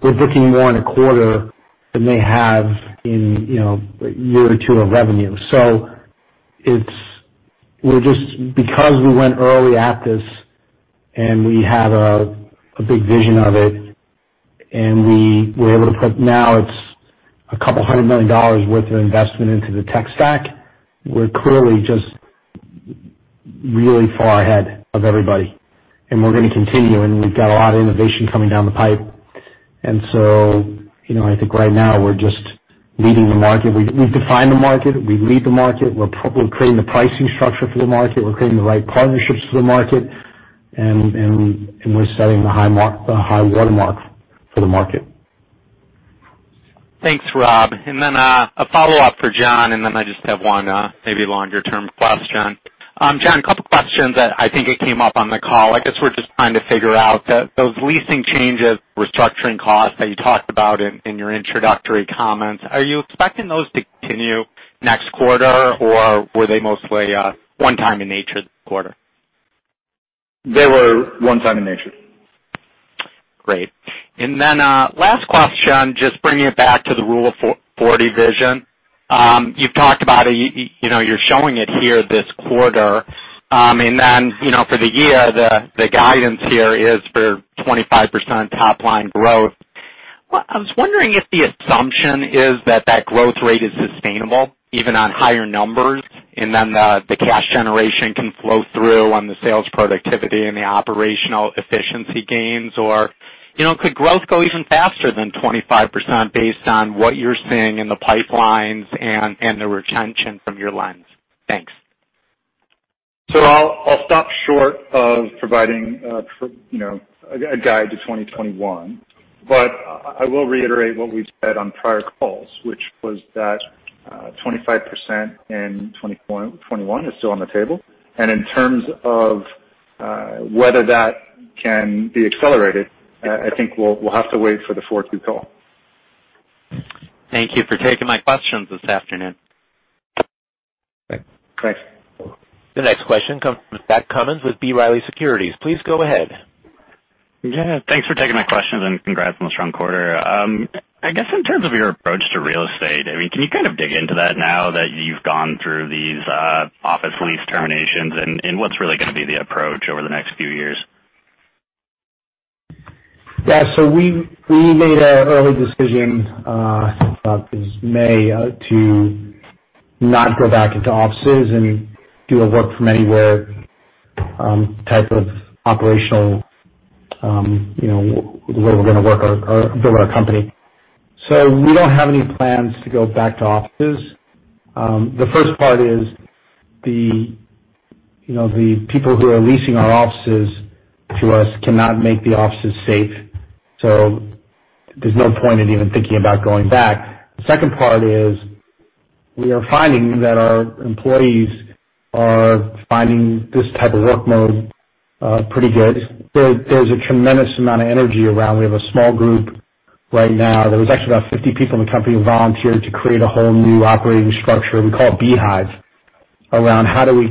We're booking more in a quarter than they have in a year or two of revenue. Because we went early at this, and we had a big vision of it, and we were able to put now it's a couple hundred million dollars worth of investment into the tech stack, we're clearly just really far ahead of everybody, and we're going to continue, and we've got a lot of innovation coming down the pipe. I think right now we're just leading the market. We've defined the market. We lead the market. We're creating the pricing structure for the market. We're creating the right partnerships for the market, and we're setting the high watermark for the market. Thanks, Rob. Then a follow-up for John, and then I just have one maybe longer-term question. John, a couple questions. I think it came up on the call. I guess we're just trying to figure out those leasing changes, restructuring costs that you talked about in your introductory comments. Are you expecting those to continue next quarter, or were they mostly one-time in nature this quarter? They were one-time in nature. Great. Last question, just bringing it back to the Rule of 40 vision. You've talked about, you're showing it here this quarter, and then for the year, the guidance here is for 25% top-line growth. I was wondering if the assumption is that that growth rate is sustainable even on higher numbers, and then the cash generation can flow through on the sales productivity and the operational efficiency gains, or could growth go even faster than 25% based on what you're seeing in the pipelines and the retention from your lens? Thanks. I'll stop short of providing a guide to 2021. I will reiterate what we've said on prior calls, which was that 25% in 2021 is still on the table. In terms of whether that can be accelerated, I think we'll have to wait for the 4Q call. Thank you for taking my questions this afternoon. Thanks. The next question comes from Zach Cummins with B. Riley Securities. Please go ahead. Yeah. Thanks for taking my questions, and congrats on the strong quarter. I guess in terms of your approach to real estate, can you dig into that now that you've gone through these office lease terminations, and what's really going to be the approach over the next few years? Yeah. We made an early decision, I think about this May, to not go back into offices and do a work-from-anywhere type of operational, the way we're going to work or build our company. We don't have any plans to go back to offices. The first part is the people who are leasing our offices to us cannot make the offices safe. There's no point in even thinking about going back. The second part is we are finding that our employees are finding this type of work mode pretty good. There's a tremendous amount of energy around. We have a small group right now. There was actually about 50 people in the company who volunteered to create a whole new operating structure. We call it Beehive, around how do we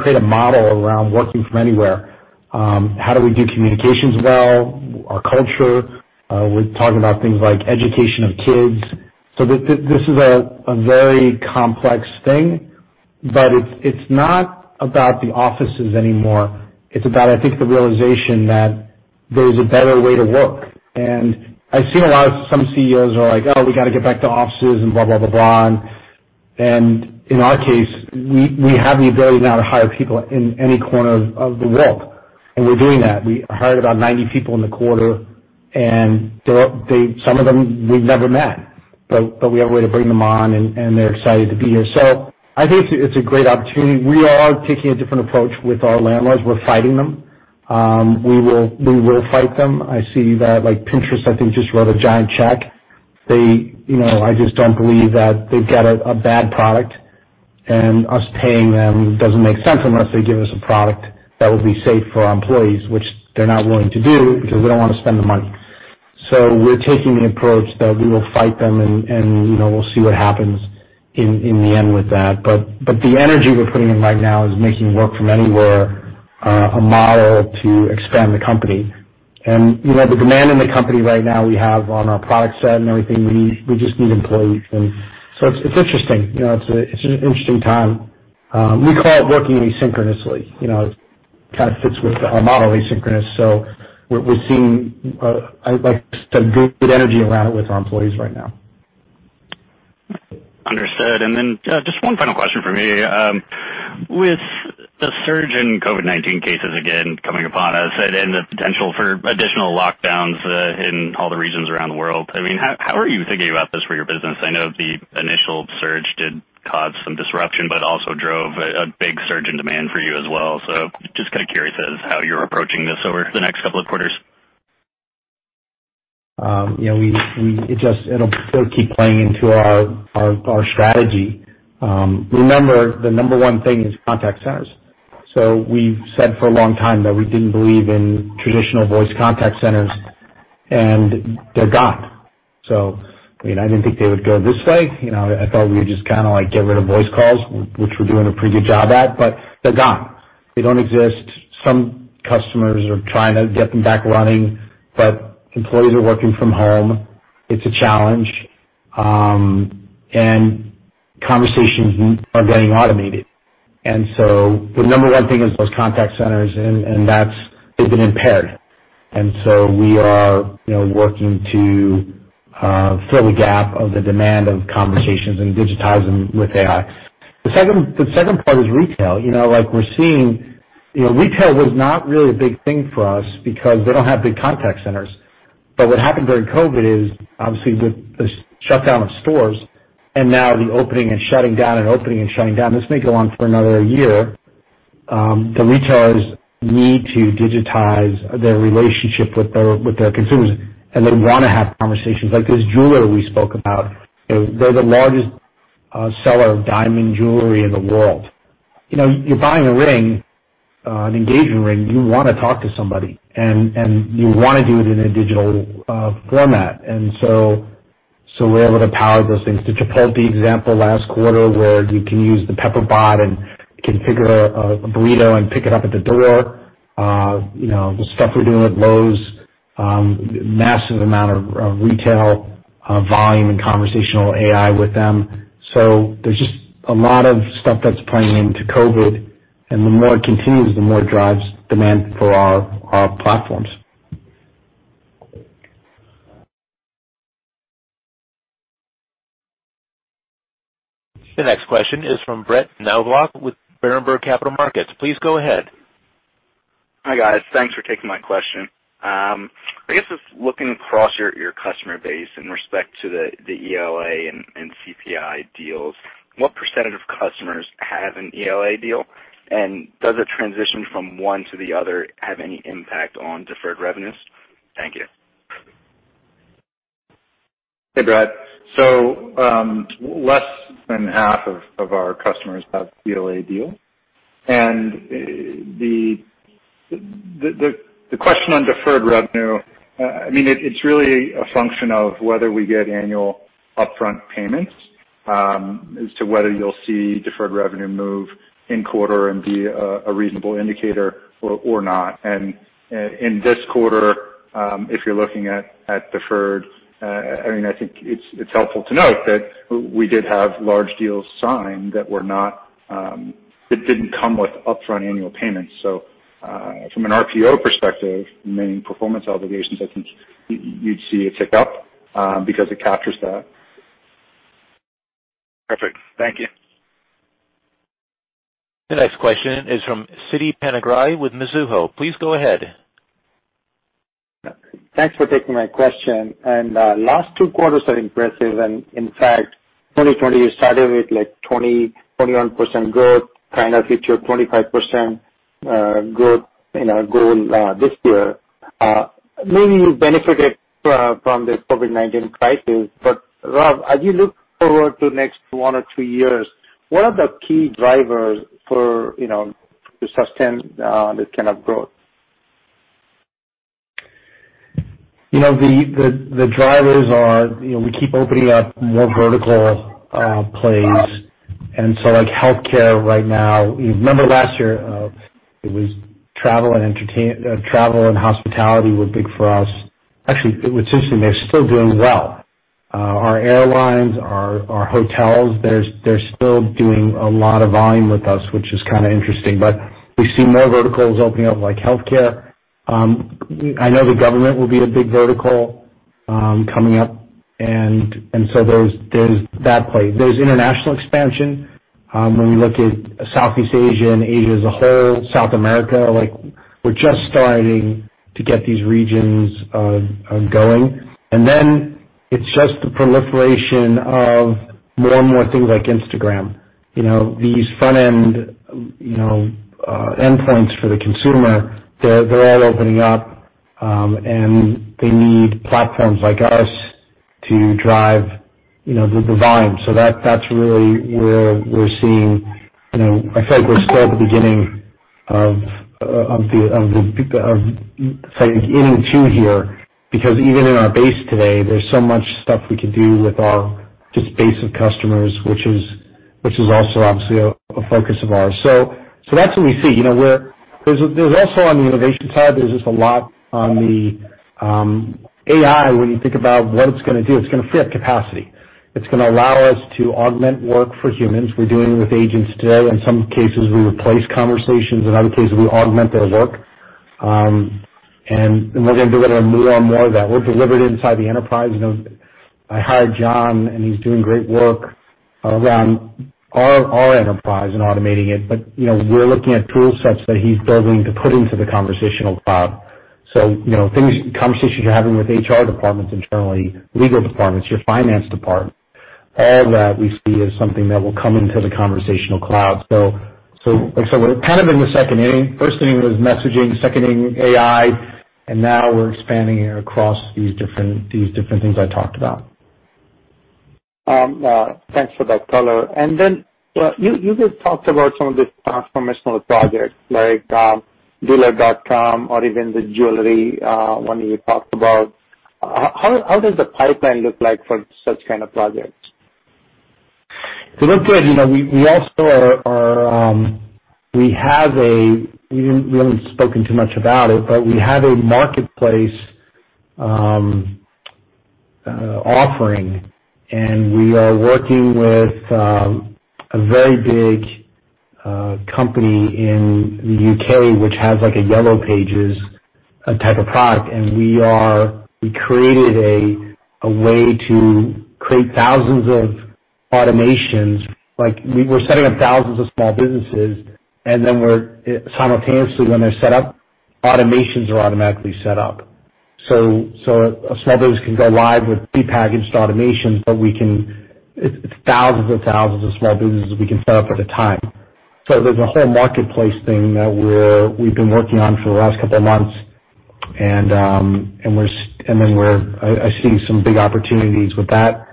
create a model around working from anywhere? How do we do communications well? Our culture. We're talking about things like education of kids. This is a very complex thing, but it's not about the offices anymore. It's about, I think, the realization that there's a better way to work. I've seen a lot of some CEOs are like, "Oh, we got to get back to offices and blah, blah." In our case, we have the ability now to hire people in any corner of the world, and we're doing that. We hired about 90 people in the quarter, and some of them we've never met, but we have a way to bring them on, and they're excited to be here. I think it's a great opportunity. We are taking a different approach with our landlords. We will fight them. I see that Pinterest, I think, just wrote a giant check. I just don't believe that they've got a bad product, and us paying them doesn't make sense unless they give us a product that will be safe for our employees, which they're not willing to do because they don't want to spend the money. We're taking the approach that we will fight them, and we'll see what happens in the end with that. The energy we're putting in right now is making work from anywhere a model to expand the company. The demand in the company right now we have on our product set and everything, we just need employees. It's interesting. It's an interesting time. We call it working asynchronously. It kind of fits with our model, asynchronous. We're seeing a good energy around it with our employees right now. Understood. Just one final question from me. With the surge in COVID-19 cases, again, coming upon us and the potential for additional lockdowns in all the regions around the world, how are you thinking about this for your business? I know the initial surge did cause some disruption, but also drove a big surge in demand for you as well. Just kind of curious as how you're approaching this over the next couple of quarters. It'll keep playing into our strategy. Remember, the number one thing is contact centers. We've said for a long time that we didn't believe in traditional voice contact centers, and they're gone. I didn't think they would go this way. I thought we would just kind of get rid of voice calls, which we're doing a pretty good job at, but they're gone. They don't exist. Some customers are trying to get them back running, but employees are working from home. It's a challenge. Conversations are getting automated. The number one thing is those contact centers, and they've been impaired. We are working to fill the gap of the demand of conversations and digitize them with AI. The second part is retail. Retail was not really a big thing for us because they don't have big contact centers. What happened during COVID is, obviously, with the shutdown of stores and now the opening and shutting down and opening and shutting down, this may go on for another year. The retailers need to digitize their relationship with their consumers, and they want to have conversations. This jeweler we spoke about, they're the largest seller of diamond jewelry in the world. You're buying a ring, an engagement ring, you want to talk to somebody, and you want to do it in a digital format. We're able to power those things. The Chipotle example last quarter where you can use the Pepper Bot and configure a burrito and pick it up at the door. The stuff we're doing at Lowe's, massive amount of retail volume and conversational AI with them. There's just a lot of stuff that's playing into COVID, and the more it continues, the more it drives demand for our platforms. The next question is from Brett Knoblauch with Berenberg Capital Markets. Please go ahead. Hi, guys. Thanks for taking my question. I guess just looking across your customer base in respect to the ELA and CPI deals, what percentage of customers have an ELA deal? Does a transition from one to the other have any impact on deferred revenues? Thank you. Hey, Brett. Less than half of our customers have ELA deal. The question on deferred revenue, it's really a function of whether we get annual upfront payments as to whether you'll see deferred revenue move in quarter and be a reasonable indicator or not. In this quarter, if you're looking at deferred, I think it's helpful to note that we did have large deals signed that didn't come with upfront annual payments. From an RPO perspective, meaning performance obligations, I think you'd see a tick-up because it captures that. Perfect. Thank you. The next question is from Siti Panigrahi with Mizuho. Please go ahead. Thanks for taking my question. Last two quarters are impressive. In fact, 2020, you started with, like, 20%-21% growth, kind of hit your 25% growth goal this year. Maybe you benefited from this COVID-19 crisis. Rob, as you look forward to the next one or two years, what are the key drivers to sustain this kind of growth? The drivers are, we keep opening up more vertical plays. Like healthcare right now, remember last year, it was travel and hospitality were big for us. Actually, interestingly, they're still doing well. Our airlines, our hotels, they're still doing a lot of volume with us, which is kind of interesting. We see more verticals opening up like healthcare. I know the government will be a big vertical coming up. There's that play. There's international expansion. When we look at Southeast Asia and Asia as a whole, South America, we're just starting to get these regions going. Then it's just the proliferation of more and more things like Instagram. These front-end endpoints for the consumer, they're all opening up, and they need platforms like us to drive the volume. I feel like we're still at the beginning of the inning two here, because even in our base today, there's so much stuff we could do with our just base of customers, which is also obviously a focus of ours. That's what we see. There's also on the innovation side, there's just a lot on the AI, when you think about what it's going to do. It's going to free up capacity. It's going to allow us to augment work for humans. We're doing it with agents today. In some cases, we replace conversations. In other cases, we augment their work. We're going to be able to do more and more of that work delivered inside the enterprise. I hired John, and he's doing great work around our enterprise and automating it. We're looking at tool sets that he's building to put into the Conversational Cloud. Conversations you're having with HR departments internally, legal departments, your finance department, all that we see as something that will come into the Conversational Cloud. Like I said, we're kind of in the second inning. First inning was messaging, second inning AI, and now we're expanding it across these different things I talked about. Thanks for that color. You just talked about some of these transformational projects like Dealer.com or even the jewelry one you talked about. How does the pipeline look like for such kind of projects? They look good. We haven't spoken too much about it. We have a marketplace offering, we are working with a very big company in the U.K. which has like a Yellow Pages type of product, we created a way to create thousands of automations. We're setting up thousands of small businesses. Simultaneously when they're set up, automations are automatically set up. A small business can go live with prepackaged automation. It's thousands of thousands of small businesses we can set up at a time. There's a whole marketplace thing that we've been working on for the last couple of months. I see some big opportunities with that.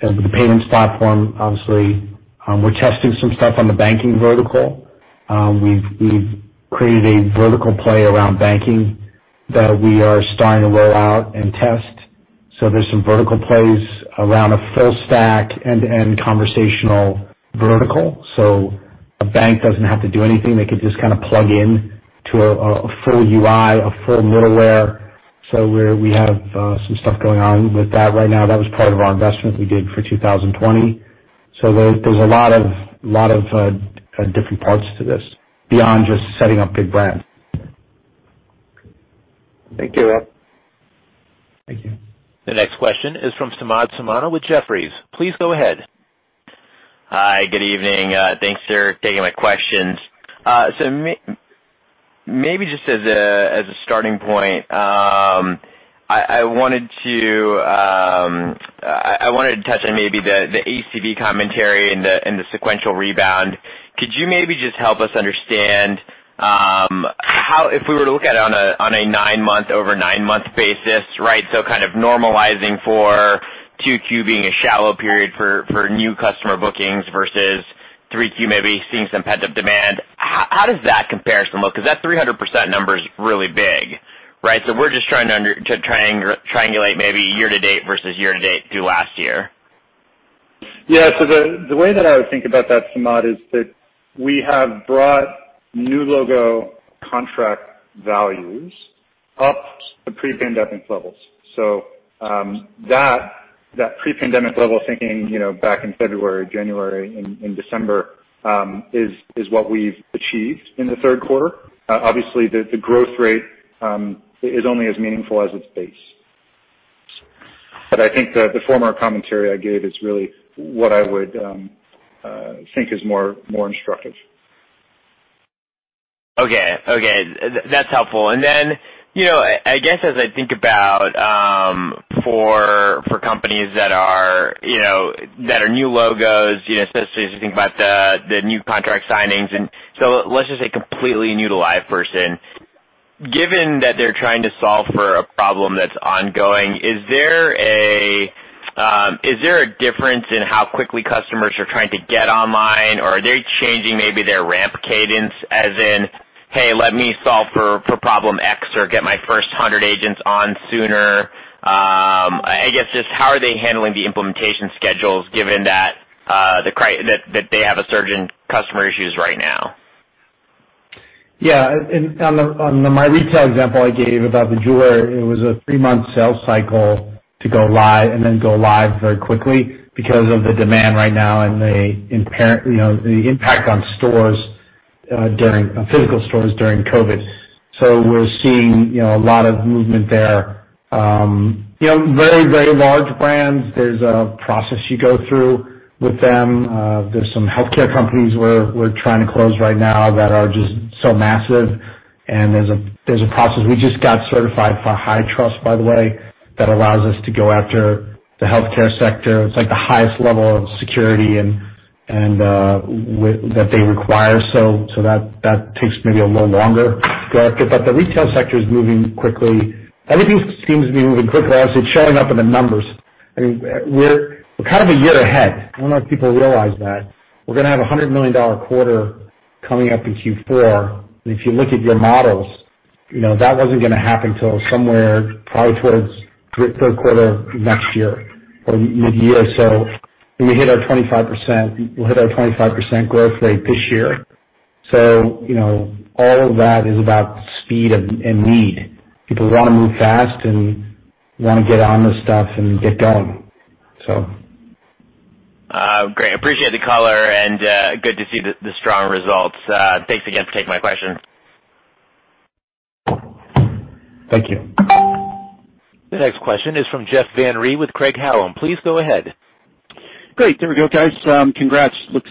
With the payments platform, obviously, we're testing some stuff on the banking vertical. We've created a vertical play around banking that we are starting to roll out and test. There's some vertical plays around a full stack end-to-end conversational vertical. A bank doesn't have to do anything. They could just plug in to a full UI, a full middleware. We have some stuff going on with that right now. That was part of our investment we did for 2020. There's a lot of different parts to this beyond just setting up big brands. Thank you. Thank you. The next question is from Samad Samana with Jefferies. Please go ahead. Hi, good evening. Thanks for taking my questions. Maybe just as a starting point, I wanted to touch on maybe the ACV commentary and the sequential rebound. Could you maybe just help us understand, if we were to look at it on a over nine-month basis, right? Kind of normalizing for 2Q being a shallow period for new customer bookings versus 3Q maybe seeing some pent-up demand. How does that comparison look? That 300% number is really big, right? We're just trying to triangulate maybe year to date versus year to date through last year. Yeah. The way that I would think about that, Samad, is that we have brought new logo contract values up to pre-pandemic levels. That pre-pandemic level thinking back in February, January, and December, is what we've achieved in the third quarter. Obviously, the growth rate is only as meaningful as its base. I think the former commentary I gave is really what I would think is more instructive. Okay. That's helpful. I guess as I think about for companies that are new logos, especially as you think about the new contract signings, let's just say completely new to LivePerson. Given that they're trying to solve for a problem that's ongoing, is there a difference in how quickly customers are trying to get online, or are they changing maybe their ramp cadence as in, "Hey, let me solve for problem X or get my first 100 agents on sooner." I guess, just how are they handling the implementation schedules given that they have a surge in customer issues right now? Yeah. On my retail example I gave about the jeweler, it was a three-month sales cycle to go live and then go live very quickly because of the demand right now and the impact on physical stores during COVID. We're seeing a lot of movement there. Very large brands, there's a process you go through with them. There's some healthcare companies we're trying to close right now that are just so massive. There's a process. We just got certified for HITRUST, by the way. That allows us to go after the healthcare sector. It's like the highest level of security that they require. That takes maybe a little longer to get, but the retail sector is moving quickly. Everything seems to be moving quickly, obviously, it's showing up in the numbers. We're kind of a year ahead. I don't know if people realize that. We're going to have a $100 million quarter coming up in Q4. If you look at your models, that wasn't going to happen till somewhere probably towards third quarter of next year or mid-year. When we hit our 25%, we'll hit our 25% growth rate this year. All of that is about speed and need. People want to move fast and want to get on this stuff and get going. Great. Appreciate the color, and good to see the strong results. Thanks again for taking my questions. Thank you. The next question is from Jeff Van Rhee with Craig-Hallum. Please go ahead. Great. There we go, guys. Congrats. Looks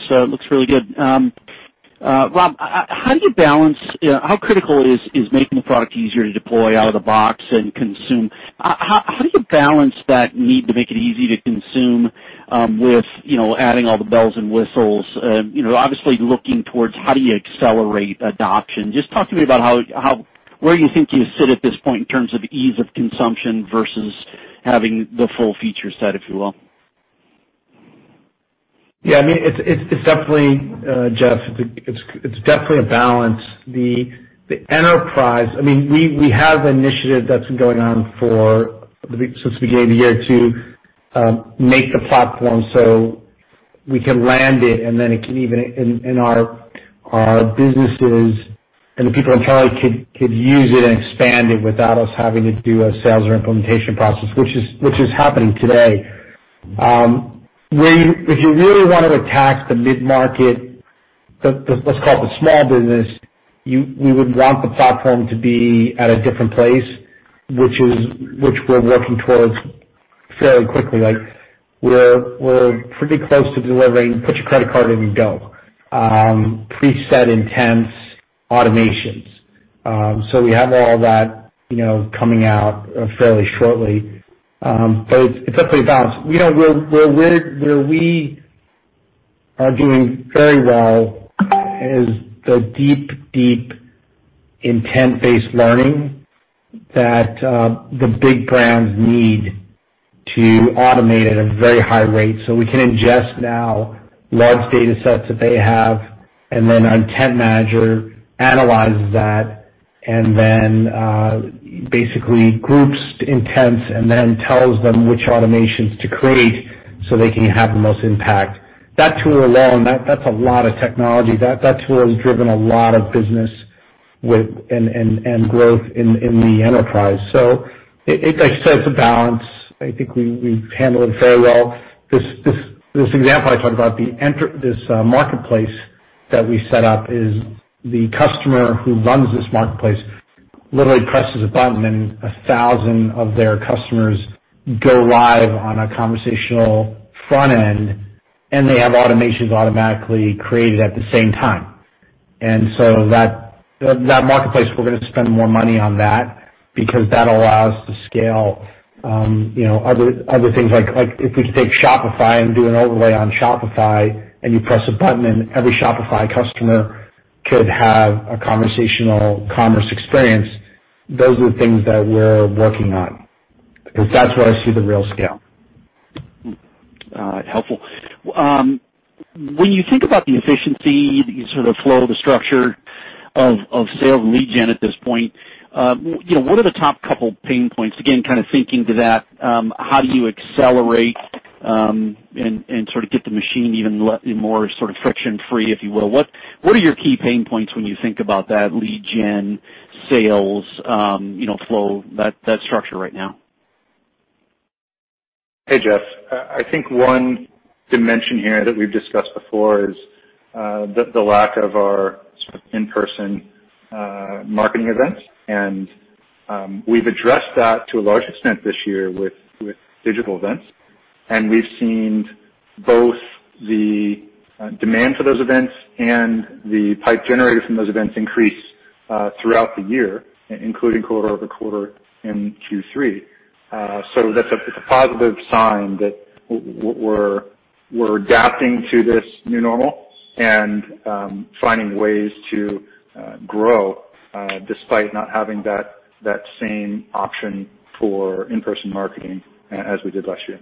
really good. Rob, how critical is making the product easier to deploy out of the box and consume? How do you balance that need to make it easy to consume with adding all the bells and whistles? Obviously, looking towards how do you accelerate adoption. Just talk to me about where you think you sit at this point in terms of ease of consumption versus having the full feature set, if you will. Yeah, Jeff, it's definitely a balance. We have an initiative that's been going on since the beginning of the year to make the platform so we can land it, and then it can even, in our businesses, and the people internally could use it and expand it without us having to do a sales or implementation process, which is happening today. If you really want to attack the mid-market, let's call it the small business, we would want the platform to be at a different place, which we're working towards fairly quickly. We're pretty close to delivering put your credit card in and go. Preset intents, automations. We have all that coming out fairly shortly. It's definitely a balance. Where we are doing very well is the deep intent-based learning that the big brands need to automate at a very high rate. We can ingest now large data sets that they have, and then our Intent Manager analyzes that and then basically groups intents and then tells them which automations to create so they can have the most impact. That tool alone, that's a lot of technology. That tool has driven a lot of business and growth in the enterprise. Like I said, it's a balance. I think we handle it very well. This example I talked about, this marketplace that we set up is the customer who runs this marketplace literally presses a button and 1,000 of their customers go live on a conversational front end, and they have automations automatically created at the same time. That marketplace, we're going to spend more money on that because that allows us to scale other things. Like if we take Shopify and do an overlay on Shopify, and you press a button, and every Shopify customer could have a conversational commerce experience. Those are the things that we're working on, because that's where I see the real scale. Helpful. When you think about the efficiency, the sort of flow, the structure of sales and lead gen at this point, what are the top couple pain points? Again, kind of thinking to that, how do you accelerate and sort of get the machine even more sort of friction-free, if you will. What are your key pain points when you think about that lead gen, sales flow, that structure right now? Hey, Jeff. I think one dimension here that we've discussed before is the lack of our sort of in-person marketing events. We've addressed that to a large extent this year with digital events. We've seen both the demand for those events and the pipe generated from those events increase throughout the year, including quarter-over-quarter in Q3. That's a positive sign that we're adapting to this new normal and finding ways to grow despite not having that same option for in-person marketing as we did last year.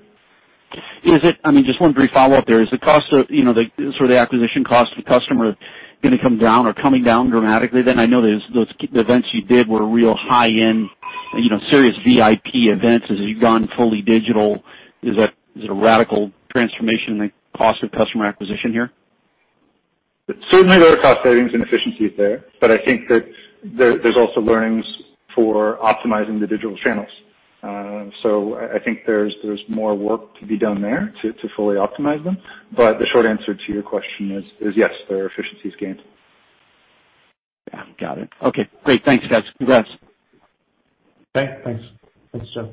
Just one brief follow-up there. Is the acquisition cost of the customer going to come down or coming down dramatically then? I know those events you did were real high-end, serious VIP events as you've gone fully digital. Is it a radical transformation in the cost of customer acquisition here? Certainly, there are cost savings and efficiencies there, but I think that there's also learnings for optimizing the digital channels. I think there's more work to be done there to fully optimize them. The short answer to your question is, yes, there are efficiencies gained. Yeah. Got it. Okay, great. Thanks, guys. Congrats. Okay, thanks. Thanks, Jeff.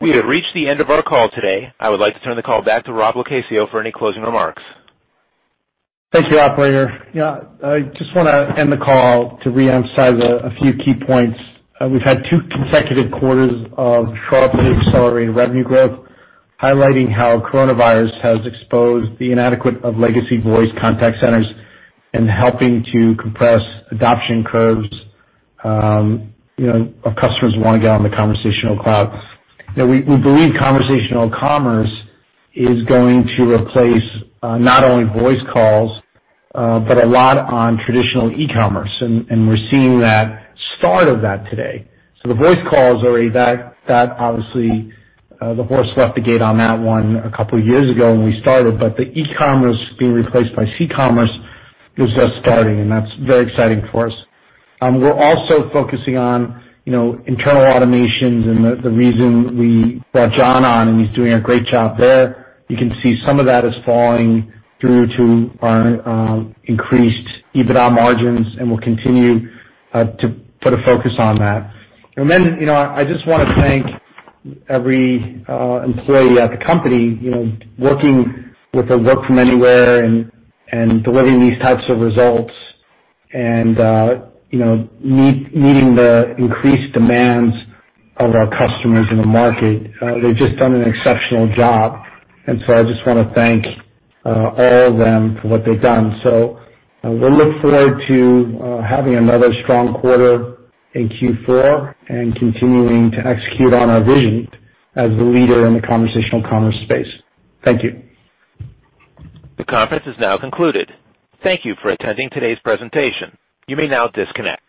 We have reached the end of our call today. I would like to turn the call back to Rob LoCascio for any closing remarks. Thank you, operator. Yeah, I just want to end the call to reemphasize a few key points. We've had two consecutive quarters of sharply accelerated revenue growth, highlighting how coronavirus has exposed the inadequate of legacy voice contact centers in helping to compress adoption curves of customers who want to get on the Conversational Cloud. We believe conversational commerce is going to replace not only voice calls but a lot on traditional e-commerce, and we're seeing that start of that today. The voice calls are a fact. Obviously, the horse left the gate on that one a couple years ago when we started, but the e-commerce being replaced by c-commerce is just starting, and that's very exciting for us. We're also focusing on internal automations and the reason we brought John on, and he's doing a great job there. You can see some of that is falling through to our increased EBITDA margins. We'll continue to put a focus on that. I just want to thank every employee at the company, working with the work from anywhere and delivering these types of results and meeting the increased demands of our customers in the market. They've just done an exceptional job. I just want to thank all of them for what they've done. We look forward to having another strong quarter in Q4 and continuing to execute on our vision as the leader in the conversational commerce space. Thank you. The conference is now concluded. Thank you for attending today's presentation. You may now disconnect.